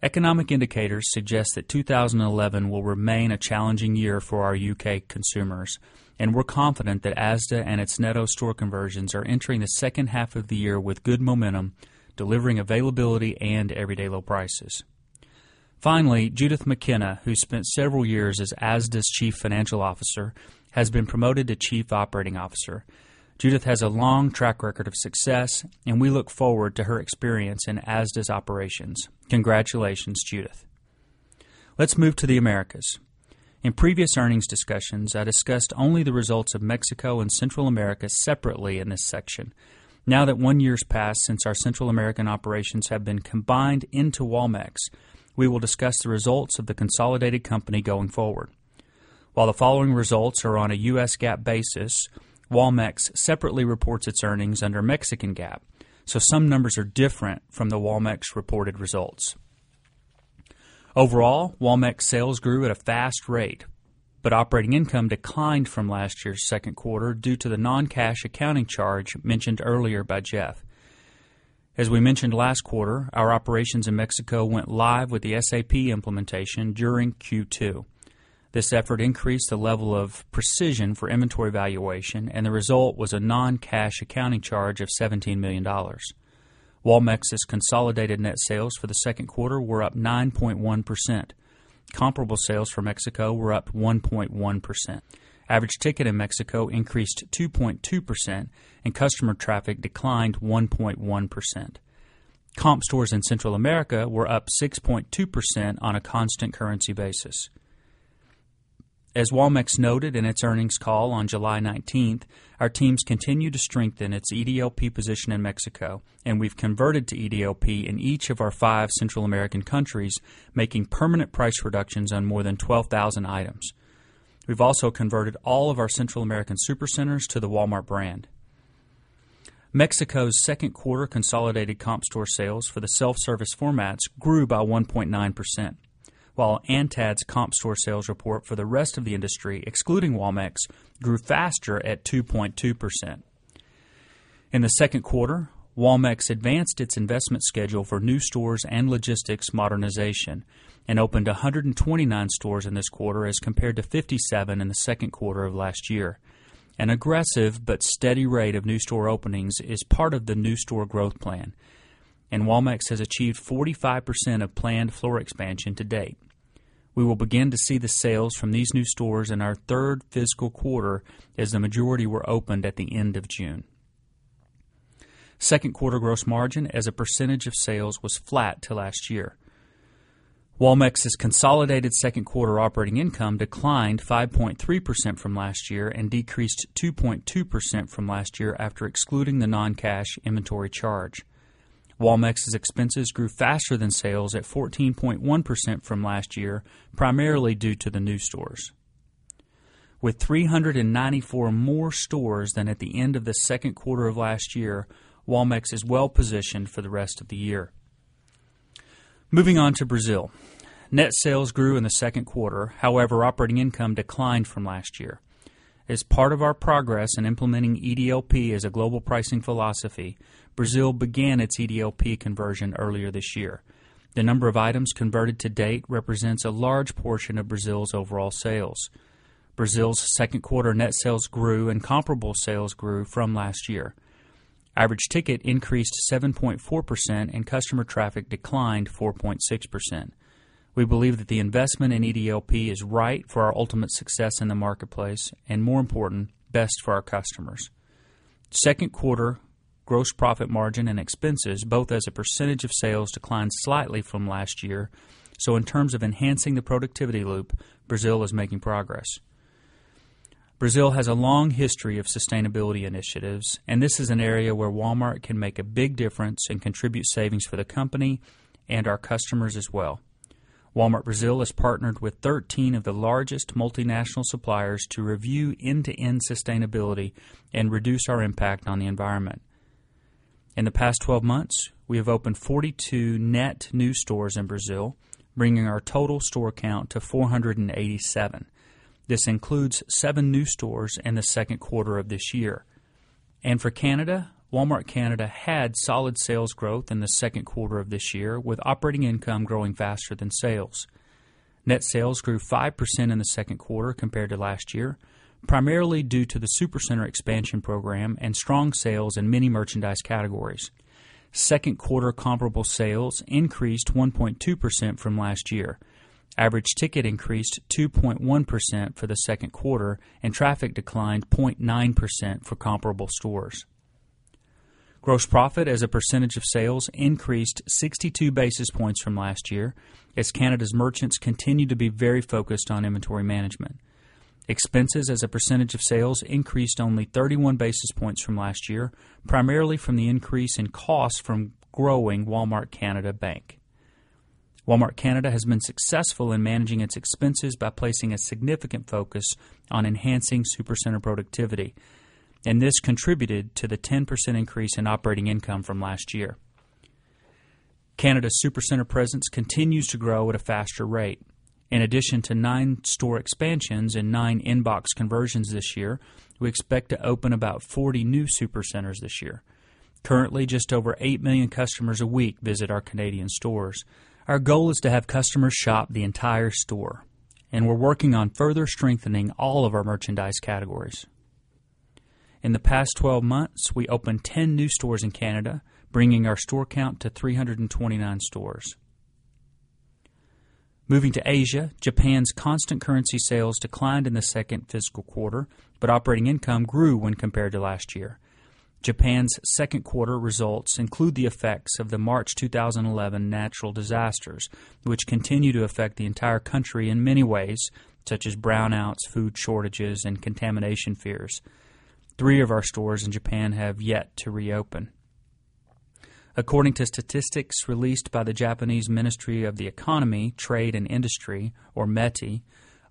Economic indicators suggest that 2011 will remain a challenging year for our U.K. consumers, and we're confident that Asda and its Netto store conversions are entering the second half of the year with good momentum, delivering availability and everyday low prices. Finally, Judith McKenna, who spent several years as Asda's Chief Financial Officer, has been promoted to Chief Operating Officer. Judith has a long track record of success, and we look forward to her experience in Asda's operations. Congratulations, Judith. Let's move to the Americas. In previous earnings discussions, I discussed only the results of Mexico and Central America separately in this section. Now that one year's passed since our Central American operations have been combined into Walmex, we will discuss the results of the consolidated company going forward. While the following results are on a U.S. GAAP basis, Walmex separately reports its earnings under Mexican GAAP, so some numbers are different from the Walmart reported results. Overall, Walmex sales grew at a fast rate, but operating income declined from last year's second quarter due to the non-cash accounting charge mentioned earlier by Jeff. As we mentioned last quarter, our operations in Mexico went live with the SAP implementation during Q2. This effort increased the level of precision for inventory valuation, and the result was a non-cash accounting charge of $17 million. Walmex's consolidated net sales for the second quarter were up 9.1%. Comparable sales for Mexico were up 1.1%. Average ticket in Mexico increased 2.2%, and customer traffic declined 1.1%. Comp sales in Central America were up 6.2% on a constant currency basis. As Walmart noted in its earnings call on July 19th, our teams continue to strengthen its EDLP position in Mexico, and we've converted to EDLP in each of our five Central American countries, making permanent price reductions on more than 12,000 items. We've also converted all of our Central American supercenters to the Walmart brand. Mexico's second quarter consolidated comp sales for the self-service formats grew by 1.9%, while ANTAD's comp sales report for the rest of the industry, excluding Walmex, grew faster at 2.2%. In the second quarter, Walmex advanced its investment schedule for new stores and logistics modernization and opened 129 stores in this quarter as compared to 57 in the second quarter of last year. An aggressive but steady rate of new store openings is part of the new store growth plan, and Walmex has achieved 45% of planned floor expansion to date. We will begin to see the sales from these new stores in our third fiscal quarter as the majority were opened at the end of June. Second quarter gross margin, as a percentage of sales, was flat to last year. Walmart's consolidated second quarter operating income declined 5.3% from last year and decreased 2.2% from last year after excluding the non-cash inventory charge. Walmex's expenses grew faster than sales at 14.1% from last year, primarily due to the new stores. With 394 more stores than at the end of the second quarter of last year, Walmaex is well positioned for the rest of the year. Moving on to Brazil, net sales grew in the second quarter. However, operating income declined from last year. As part of our progress in implementing EDLP as a global pricing philosophy, Brazil began its EDLP conversion earlier this year. The number of items converted to date represents a large portion of Brazil's overall sales. Brazil's second quarter net sales grew, and comparable sales grew from last year. Average ticket increased 7.4%, and customer traffic declined 4.6%. We believe that the investment in EDLP is right for our ultimate success in the marketplace and, more important, best for our customers. Second quarter gross profit margin and expenses, both as a percentage of sales, declined slightly from last year. In terms of enhancing the productivity loop, Brazil is making progress. Brazil has a long history of sustainability initiatives, and this is an area where Walmart can make a big difference and contribute savings for the company and our customers as well. Walmart Brazil has partnered with 13 of the largest multinational suppliers to review end-to-end sustainability and reduce our impact on the environment. In the past 12 months, we have opened 42 net new stores in Brazil, bringing our total store count to 487. This includes seven new stores in the second quarter of this year. For Canada, Walmart Canada had solid sales growth in the second quarter of this year, with operating income growing faster than sales. Net sales grew 5% in the second quarter compared to last year, primarily due to the supercenter expansion program and strong sales in many merchandise categories. Second quarter comparable sales increased 1.2% from last year. Average ticket increased 2.1% for the second quarter, and traffic declined 0.9% for comparable stores. Gross profit as a percentage of sales increased 62 basis points from last year, as Canada's merchants continue to be very focused on inventory management. Expenses as a percentage of sales increased only 31 basis points from last year, primarily from the increase in costs from growing Walmart Canada Bank. Walmart Canada has been successful in managing its expenses by placing a significant focus on enhancing supercenter productivity, and this contributed to the 10% increase in operating income from last year. Canada's supercenter presence continues to grow at a faster rate. In addition to nine store expansions and nine inbox conversions this year, we expect to open about 40 new supercenters this year. Currently, just over 8 million customers a week visit our Canadian stores. Our goal is to have customers shop the entire store, and we're working on further strengthening all of our merchandise categories. In the past 12 months, we opened 10 new stores in Canada, bringing our store count to 329 stores. Moving to Asia, Japan's constant currency sales declined in the second fiscal quarter, but operating income grew when compared to last year. Japan's second quarter results include the effects of the March 2011 natural disasters, which continue to affect the entire country in many ways, such as brownouts, food shortages, and contamination fears. Three of our stores in Japan have yet to reopen. According to statistics released by the Japanese Ministry of the Economy, Trade, and Industry, or METI,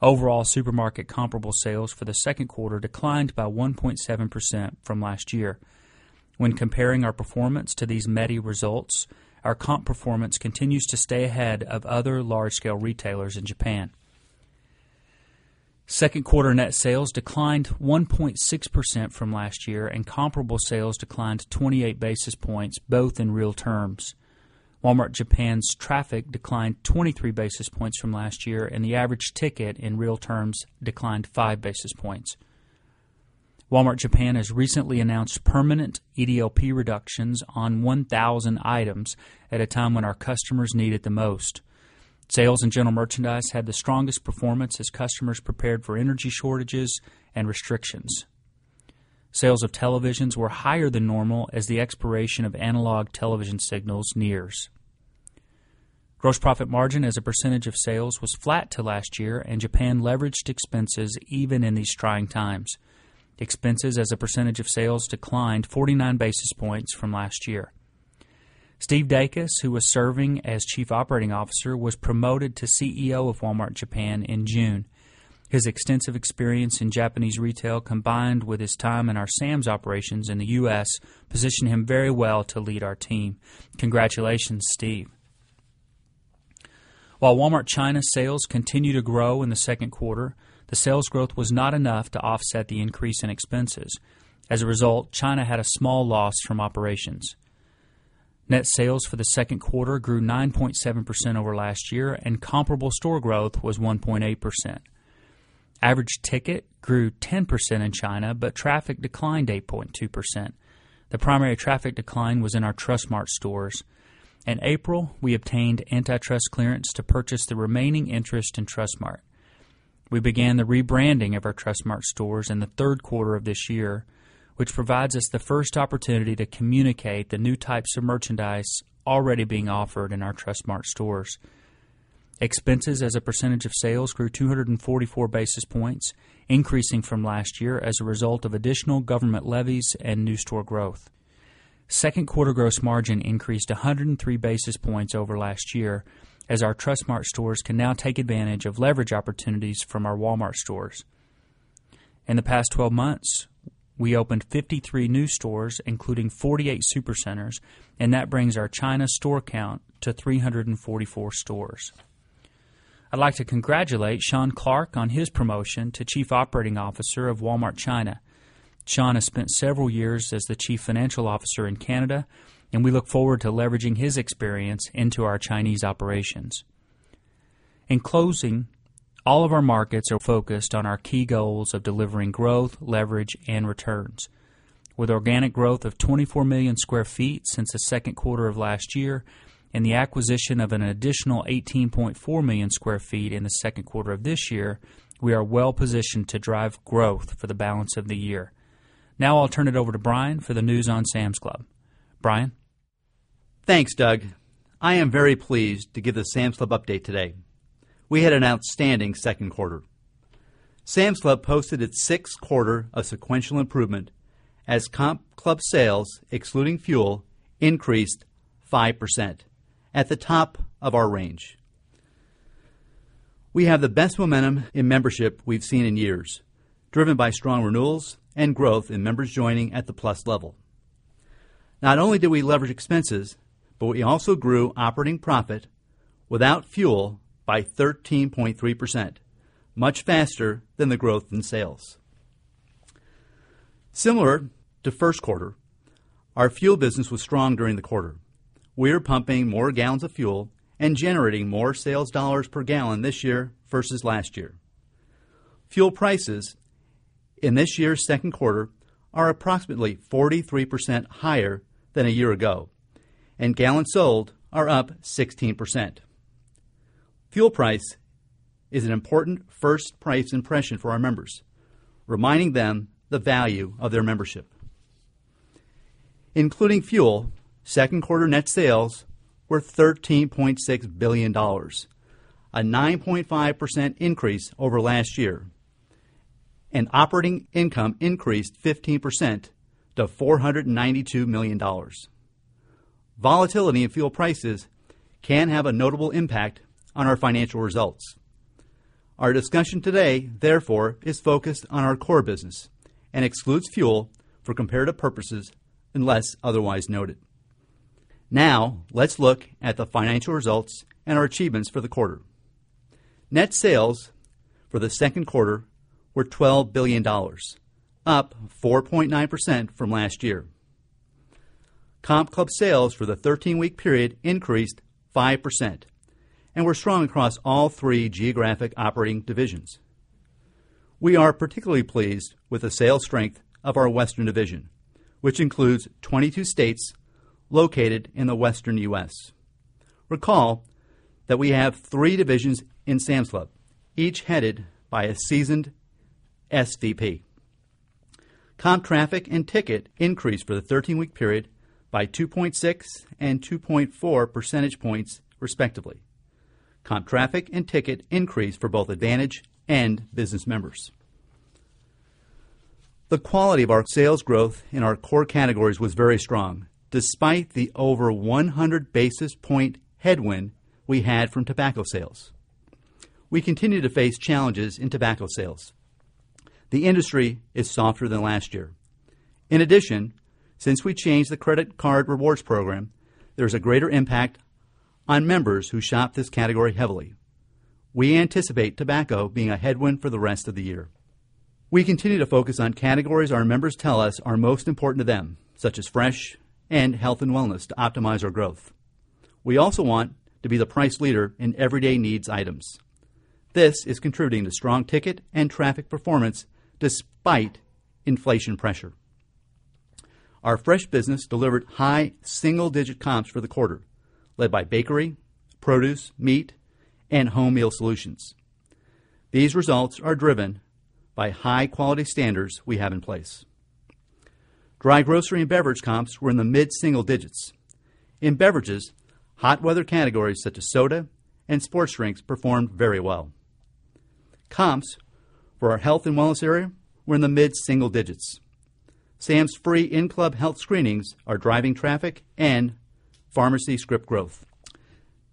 overall supermarket comparable sales for the second quarter declined by 1.7% from last year. When comparing our performance to these METI results, our comp performance continues to stay ahead of other large-scale retailers in Japan. Second quarter net sales declined 1.6% from last year, and comparable sales declined 28 basis points, both in real terms. Walmart Japan's traffic declined 23 basis points from last year, and the average ticket in real terms declined 5 basis points. Walmart Japan has recently announced permanent EDLP reductions on 1,000 items at a time when our customers need it the most. Sales in general merchandise had the strongest performance as customers prepared for energy shortages and restrictions. Sales of televisions were higher than normal as the expiration of analog television signals nears. Gross profit margin as a percentage of sales was flat to last year, and Japan leveraged expenses even in these trying times. Expenses as a percentage of sales declined 49 basis points from last year. Steve Dacus, who was serving as Chief Operating Officer, was promoted to CEO of Walmart Japan in June. His extensive experience in Japanese retail, combined with his time in our Sam's operations in the U.S., positioned him very well to lead our team. Congratulations, Steve. While Walmart China's sales continued to grow in the second quarter, the sales growth was not enough to offset the increase in expenses. As a result, China had a small loss from operations. Net sales for the second quarter grew 9.7% over last year, and comparable store growth was 1.8%. Average ticket grew 10% in China, but traffic declined 8.2%. The primary traffic decline was in our Trustmart stores. In April, we obtained antitrust clearance to purchase the remaining interest in Trustmart. We began the rebranding of our Trustmart stores in the third quarter of this year, which provides us the first opportunity to communicate the new types of merchandise already being offered in our Trustmart stores. Expenses as a percentage of sales grew 244 basis points, increasing from last year as a result of additional government levies and new store growth. Second quarter gross margin increased 103 basis points over last year, as our Trustmart stores can now take advantage of leverage opportunities from our Walmart stores. In the past 12 months, we opened 53 new stores, including 48 supercenters, and that brings our China store count to 344 stores. I'd like to congratulate Sean Clarke on his promotion to Chief Operating Officer of Walmart China. Sean has spent several years as the Chief Financial Officer in Canada, and we look forward to leveraging his experience into our Chinese operations. In closing, all of our markets are focused on our key goals of delivering growth, leverage, and returns. With organic growth of 24 million sq ft since the second quarter of last year and the acquisition of an additional 18.4 million sq ft in the second quarter of this year, we are well positioned to drive growth for the balance of the year. Now I'll turn it over to Brian for the news on Sam's Club. Brian. Thanks, Doug. I am very pleased to give the Sam's Club update today. We had an outstanding second quarter. Sam's Club posted its sixth quarter of sequential improvement as comp club sales, excluding fuel, increased 5%, at the top of our range. We have the best momentum in membership we've seen in years, driven by strong renewals and growth in members joining at the Plus level. Not only did we leverage expenses, but we also grew operating profit without fuel by 13.3%, much faster than the growth in sales. Similar to the first quarter, our fuel business was strong during the quarter. We are pumping more gallons of fuel and generating more sales dollars per gallon this year versus last year. Fuel prices in this year's second quarter are approximately 43% higher than a year ago, and gallons sold are up 16%. Fuel price is an important first price impression for our members, reminding them the value of their membership. Including fuel, second quarter net sales were $13.6 billion, a 9.5% increase over last year, and operating income increased 15% to $492 million. Volatility in fuel prices can have a notable impact on our financial results. Our discussion today, therefore, is focused on our core business and excludes fuel for comparative purposes unless otherwise noted. Now let's look at the financial results and our achievements for the quarter. Net sales for the second quarter were $12 billion, up 4.9% from last year. Comp club sales for the 13-week period increased 5% and were strong across all three geographic operating divisions. We are particularly pleased with the sales strength of our Western division, which includes 22 states located in the Western U.S. Recall that we have three divisions in Sam's Club, each headed by a seasoned SVP. Comp traffic and ticket increased for the 13-week period by 2.6 and 2.4 percentage points, respectively. Comp traffic and ticket increased for both Advantage and Business members. The quality of our sales growth in our core categories was very strong, despite the over 100 basis point headwind we had from tobacco sales. We continue to face challenges in tobacco sales. The industry is softer than last year. In addition, since we changed the credit card rewards program, there's a greater impact on members who shop this category heavily. We anticipate tobacco being a headwind for the rest of the year. We continue to focus on categories our members tell us are most important to them, such as fresh and health and wellness, to optimize our growth. We also want to be the price leader in everyday needs items. This is contributing to strong ticket and traffic performance despite inflation pressure. Our fresh business delivered high single-digit comps for the quarter, led by bakery, produce, meat, and home meal solutions. These results are driven by high-quality standards we have in place. Dry grocery and beverage comps were in the mid-single digits. In beverages, hot weather categories such as soda and sports drinks performed very well. Comps for our health and wellness area were in the mid-single digits. Sam's free in-club health screenings are driving traffic and pharmacy script growth.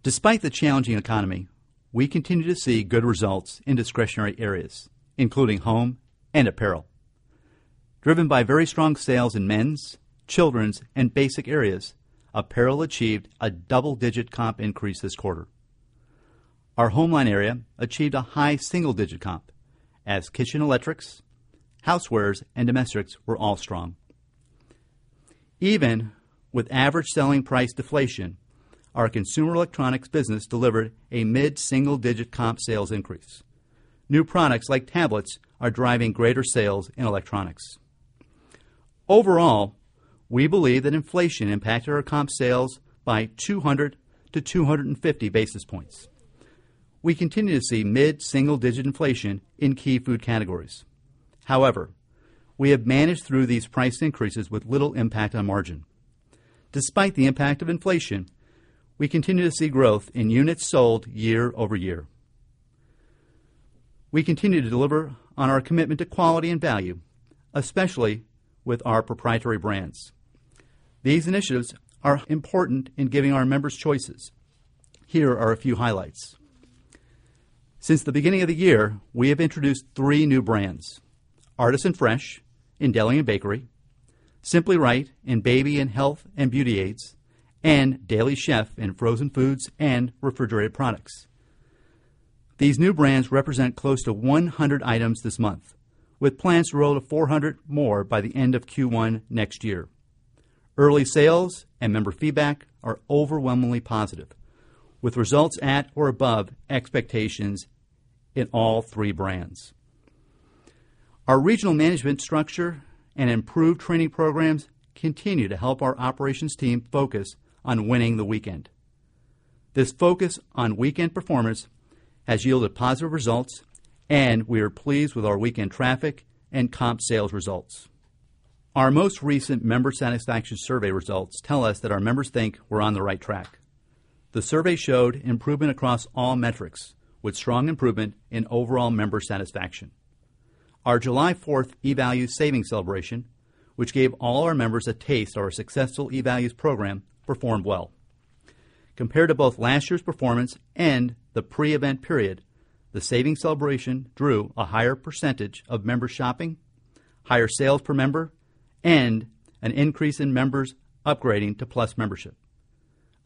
Despite the challenging economy, we continue to see good results in discretionary areas, including home and apparel. Driven by very strong sales in men's, children's, and basic areas, apparel achieved a double-digit comp increase this quarter. Our homeline area achieved a high single-digit comp, as kitchen electrics, housewares, and domestics were all strong. Even with average selling price deflation, our consumer electronics business delivered a mid-single-digit comp sales increase. New products like tablets are driving greater sales in electronics. Overall, we believe that inflation impacted our comp sales by 200-250 basis points. We continue to see mid-single-digit inflation in key food categories. However, we have managed through these price increases with little impact on margin. Despite the impact of inflation, we continue to see growth in units sold year over year. We continue to deliver on our commitment to quality and value, especially with our proprietary brands. These initiatives are important in giving our members choices. Here are a few highlights. Since the beginning of the year, we have introduced three new brands: Artisan Fresh in deli and bakery, Simply Right in baby and health and beauty aids, and Daily Chef in frozen foods and refrigerated products. These new brands represent close to 100 items this month, with plans to roll to 400 more by the end of Q1 next year. Early sales and member feedback are overwhelmingly positive, with results at or above expectations in all three brands. Our regional management structure and improved training programs continue to help our operations team focus on winning the weekend. This focus on weekend performance has yielded positive results, and we are pleased with our weekend traffic and comp sales results. Our most recent member satisfaction survey results tell us that our members think we're on the right track. The survey showed improvement across all metrics, with strong improvement in overall member satisfaction. Our July 4th eValues Savings Celebration, which gave all our members a taste of our successful eValues program, performed well. Compared to both last year's performance and the pre-event period, the savings celebration drew a higher percentage of members shopping, higher sales per member, and an increase in members upgrading to Plus membership.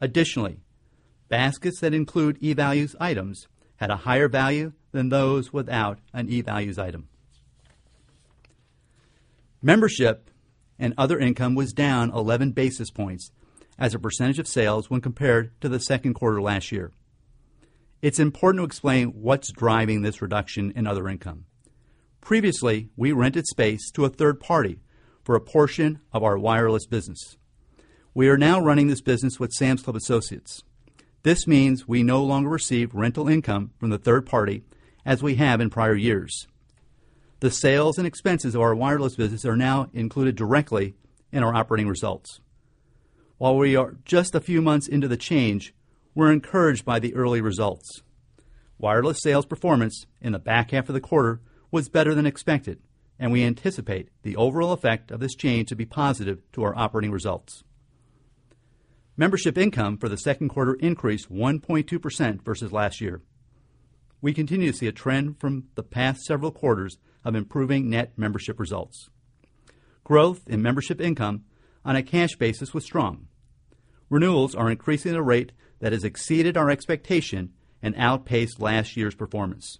Additionally, baskets that include eValues items had a higher value than those without an eValues item. Membership and other income was down 11 basis points as a percentage of sales when compared to the second quarter last year. It's important to explain what's driving this reduction in other income. Previously, we rented space to a third party for a portion of our wireless business. We are now running this business with Sam's Club associates. This means we no longer receive rental income from the third party as we have in prior years. The sales and expenses of our wireless business are now included directly in our operating results. While we are just a few months into the change, we're encouraged by the early results. Wireless sales performance in the back half of the quarter was better than expected, and we anticipate the overall effect of this change to be positive to our operating results. Membership income for the second quarter increased 1.2% versus last year. We continue to see a trend from the past quarters of improving net membership results. Growth in membership income on a cash basis was strong. Renewals are increasing at a rate that has exceeded our expectation and outpaced last year's performance.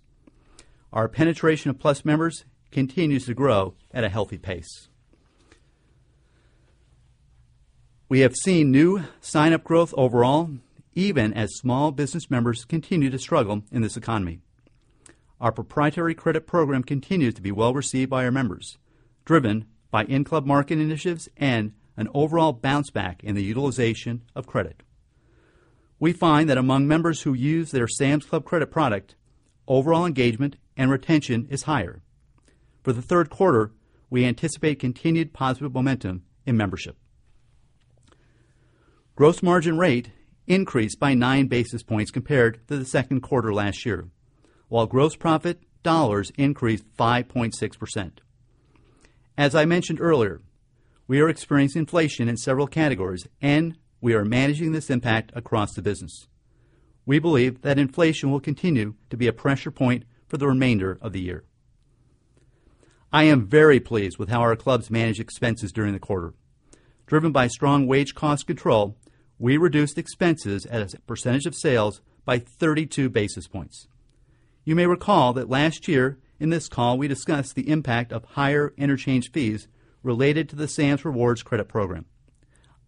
Our penetration of Plus members continues to grow at a healthy pace. We have seen new sign-up growth overall, even as small business members continue to struggle in this economy. Our proprietary credit program continues to be well received by our members, driven by in-club market initiatives and an overall bounce-back in the utilization of credit. We find that among members who use their Sam's Club credit product, overall engagement and retention is higher. For the third quarter, we anticipate continued positive momentum in membership. Gross margin rate increased by 9 basis points compared to the second quarter last year, while gross profit dollars increased 5.6%. As I mentioned earlier, we are experiencing inflation in several categories, and we are managing this impact across the business. We believe that inflation will continue to be a pressure point for the remainder of the year. I am very pleased with how our clubs manage expenses during the quarter. Driven by strong wage cost control, we reduced expenses as a percentage of sales by 32 basis points. You may recall that last year in this call, we discussed the impact of higher interchange fees related to the Sam's Rewards credit program.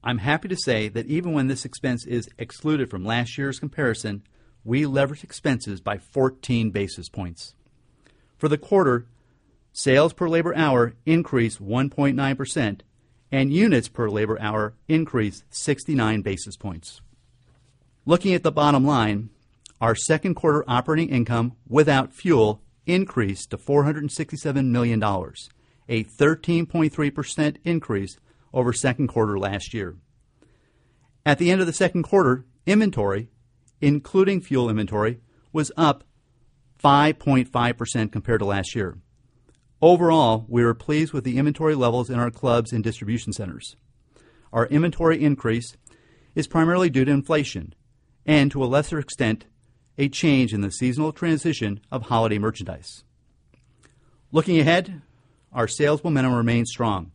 I'm happy to say that even when this expense is excluded from last year's comparison, we leveraged expenses by 14 basis points. For the quarter, sales per labor hour increased 1.9%, and units per labor hour increased 69 basis points. Looking at the bottom line, our second quarter operating income without fuel increased to $467 million, a 13.3% increase over the second quarter last year. At the end of the second quarter, inventory, including fuel inventory, was up 5.5% compared to last year. Overall, we are pleased with the inventory levels in our clubs and distribution centers. Our inventory increase is primarily due to inflation and, to a lesser extent, a change in the seasonal transition of holiday merchandise. Looking ahead, our sales momentum remains strong.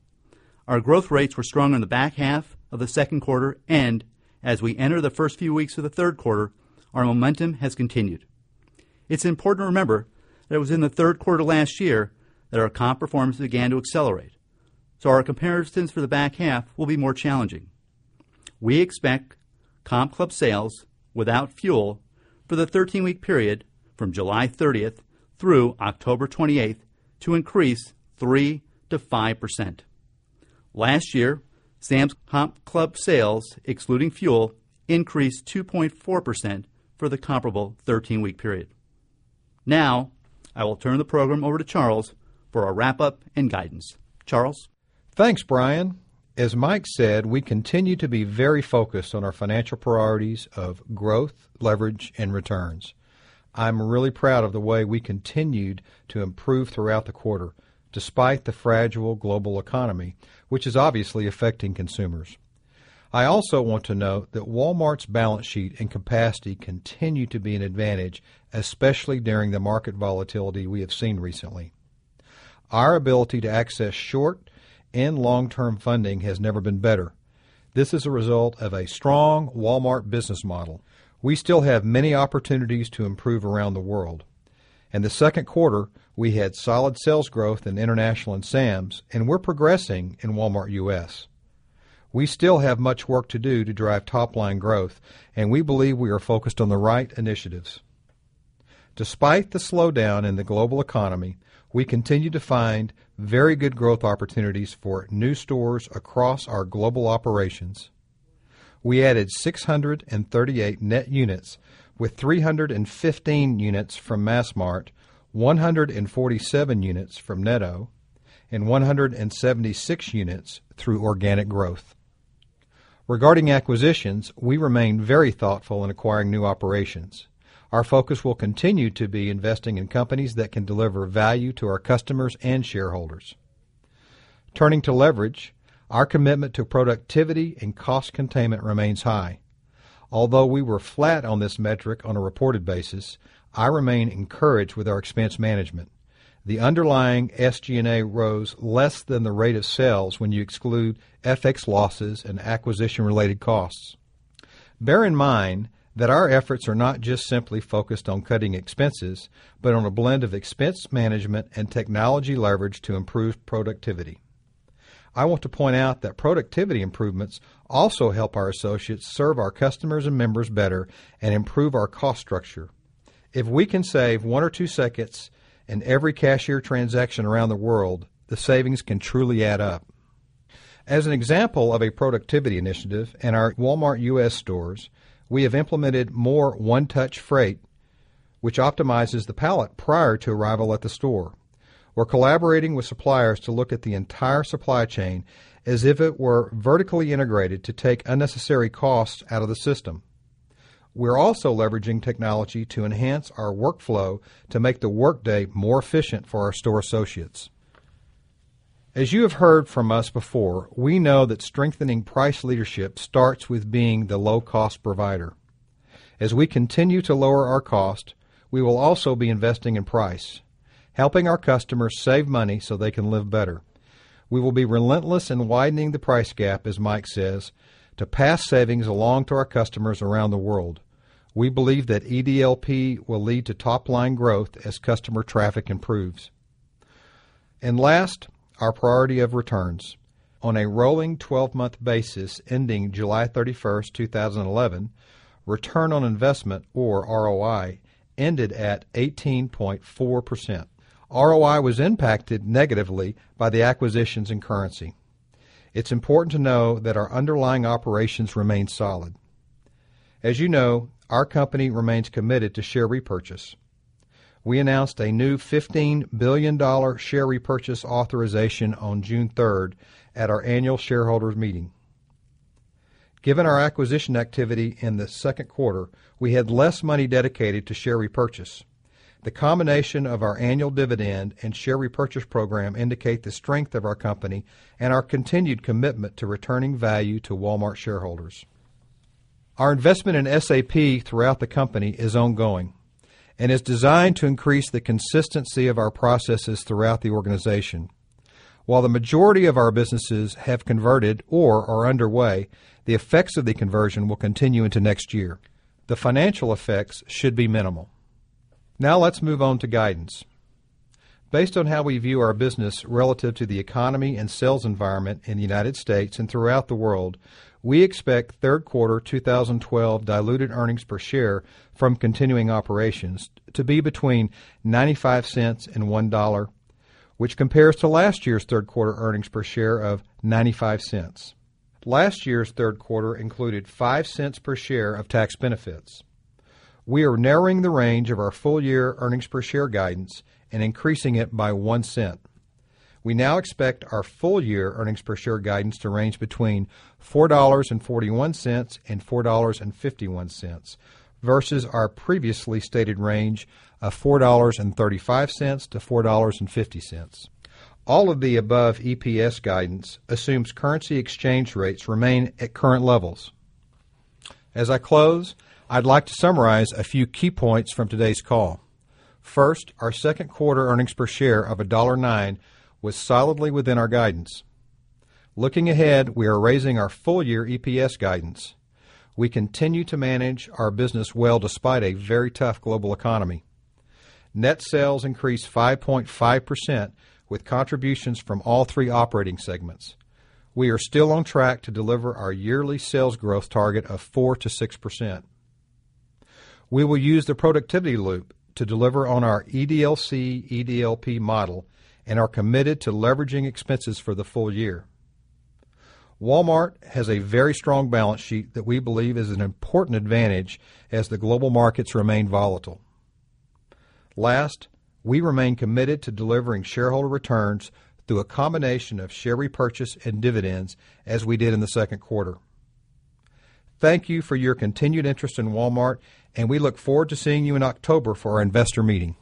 Our growth rates were strong in the back half of the second quarter, and as we enter the first few weeks of the third quarter, our momentum has continued. It's important to remember that it was in the third quarter last year that our comp performance began to accelerate, so our comparisons for the back half will be more challenging. We expect comp club sales without fuel for the 13-week period from July 30th through October 28th to increase 3%-5%. Last year, Sam's comp club sales, excluding fuel, increased 2.4% for the comparable 13-week period. Now, I will turn the program over to Charles for our wrap-up and guidance. Charles? Thanks, Brian. As Mike said, we continue to be very focused on our financial priorities of growth, leverage, and returns. I'm really proud of the way we continued to improve throughout the quarter, despite the fragile global economy, which is obviously affecting consumers. I also want to note that Walmart's balance sheet and capacity continue to be an advantage, especially during the market volatility we have seen recently. Our ability to access short and long-term funding has never been better. This is a result of a strong Walmart business model. We still have many opportunities to improve around the world. In the second quarter, we had solid sales growth in International and Sam's Club, and we're progressing in Walmart U.S. We still have much work to do to drive top-line growth, and we believe we are focused on the right initiatives. Despite the slowdown in the global economy, we continue to find very good growth opportunities for new stores across our global operations. We added 638 net units, with 315 units from Massmart, 147 units from Netto, and 176 units through organic growth. Regarding acquisitions, we remain very thoughtful in acquiring new operations. Our focus will continue to be investing in companies that can deliver value to our customers and shareholders. Turning to leverage, our commitment to productivity and cost containment remains high. Although we were flat on this metric on a reported basis, I remain encouraged with our expense management. The underlying SG&A rose less than the rate of sales when you exclude FX losses and acquisition-related costs. Bear in mind that our efforts are not just simply focused on cutting expenses, but on a blend of expense management and technology leverage to improve productivity. I want to point out that productivity improvements also help our associates serve our customers and members better and improve our cost structure. If we can save one or two seconds in every cashier transaction around the world, the savings can truly add up. As an example of a productivity initiative in our Walmart U.S. stores, we have implemented more one-touch freight, which optimizes the pallet prior to arrival at the store. We're collaborating with suppliers to look at the entire supply chain as if it were vertically integrated to take unnecessary costs out of the system. We're also leveraging technology to enhance our workflow to make the workday more efficient for our store associates. As you have heard from us before, we know that strengthening price leadership starts with being the low-cost provider. As we continue to lower our cost, we will also be investing in price, helping our customers save money so they can live better. We will be relentless in widening the price gap, as Mike says, to pass savings along to our customers around the world. We believe that EDLP will lead to top-line growth as customer traffic improves. Last, our priority of returns. On a rolling 12-month basis, ending July 31st 2011, return on investment, or ROI, ended at 18.4%. ROI was impacted negatively by the acquisitions in currency. It's important to know that our underlying operations remain solid. As you know, our company remains committed to share repurchase. We announced a new $15 billion share repurchase authorization on June 3rd at our annual shareholders' meeting. Given our acquisition activity in the second quarter, we had less money dedicated to share repurchase. The combination of our annual dividend and share repurchase program indicate the strength of our company and our continued commitment to returning value to Walmart shareholders. Our investment in SAP throughout the company is ongoing and is designed to increase the consistency of our processes throughout the organization. While the majority of our businesses have converted or are underway, the effects of the conversion will continue into next year. The financial effects should be minimal. Now, let's move on to guidance. Based on how we view our business relative to the economy and sales environment in the United Staes. and throughout the world, we expect third quarter 2012 diluted earnings per share from continuing operations to be between $0.95 and $1.00, which compares to last year's third quarter earnings per share of $0.95. Last year's third quarter included $0.05 per share of tax benefits. We are narrowing the range of our full-year earnings per share guidance and increasing it by $0.01. We now expect our full-year earnings per share guidance to range between $4.41 and $4.51 versus our previously stated range of $4.35-$4.50. All of the above EPS guidance assumes currency exchange rates remain at current levels. As I close, I'd like to summarize a few key points from today's call. First, our second quarter earnings per share of $1.09 was solidly within our guidance. Looking ahead, we are raising our full-year EPS guidance. We continue to manage our business well despite a very tough global economy. Net sales increased 5.5% with contributions from all three operating segments. We are still on track to deliver our yearly sales growth target of 4%-6%. We will use the productivity loop to deliver on our EDLC-EDLP model and are committed to leveraging expenses for the full year. Walmart has a very strong balance sheet that we believe is an important advantage as the global markets remain volatile. Last, we remain committed to delivering shareholder returns through a combination of share repurchase and dividends, as we did in the second quarter. Thank you for your continued interest in Walmart, and we look forward to seeing you in October for our investor meeting.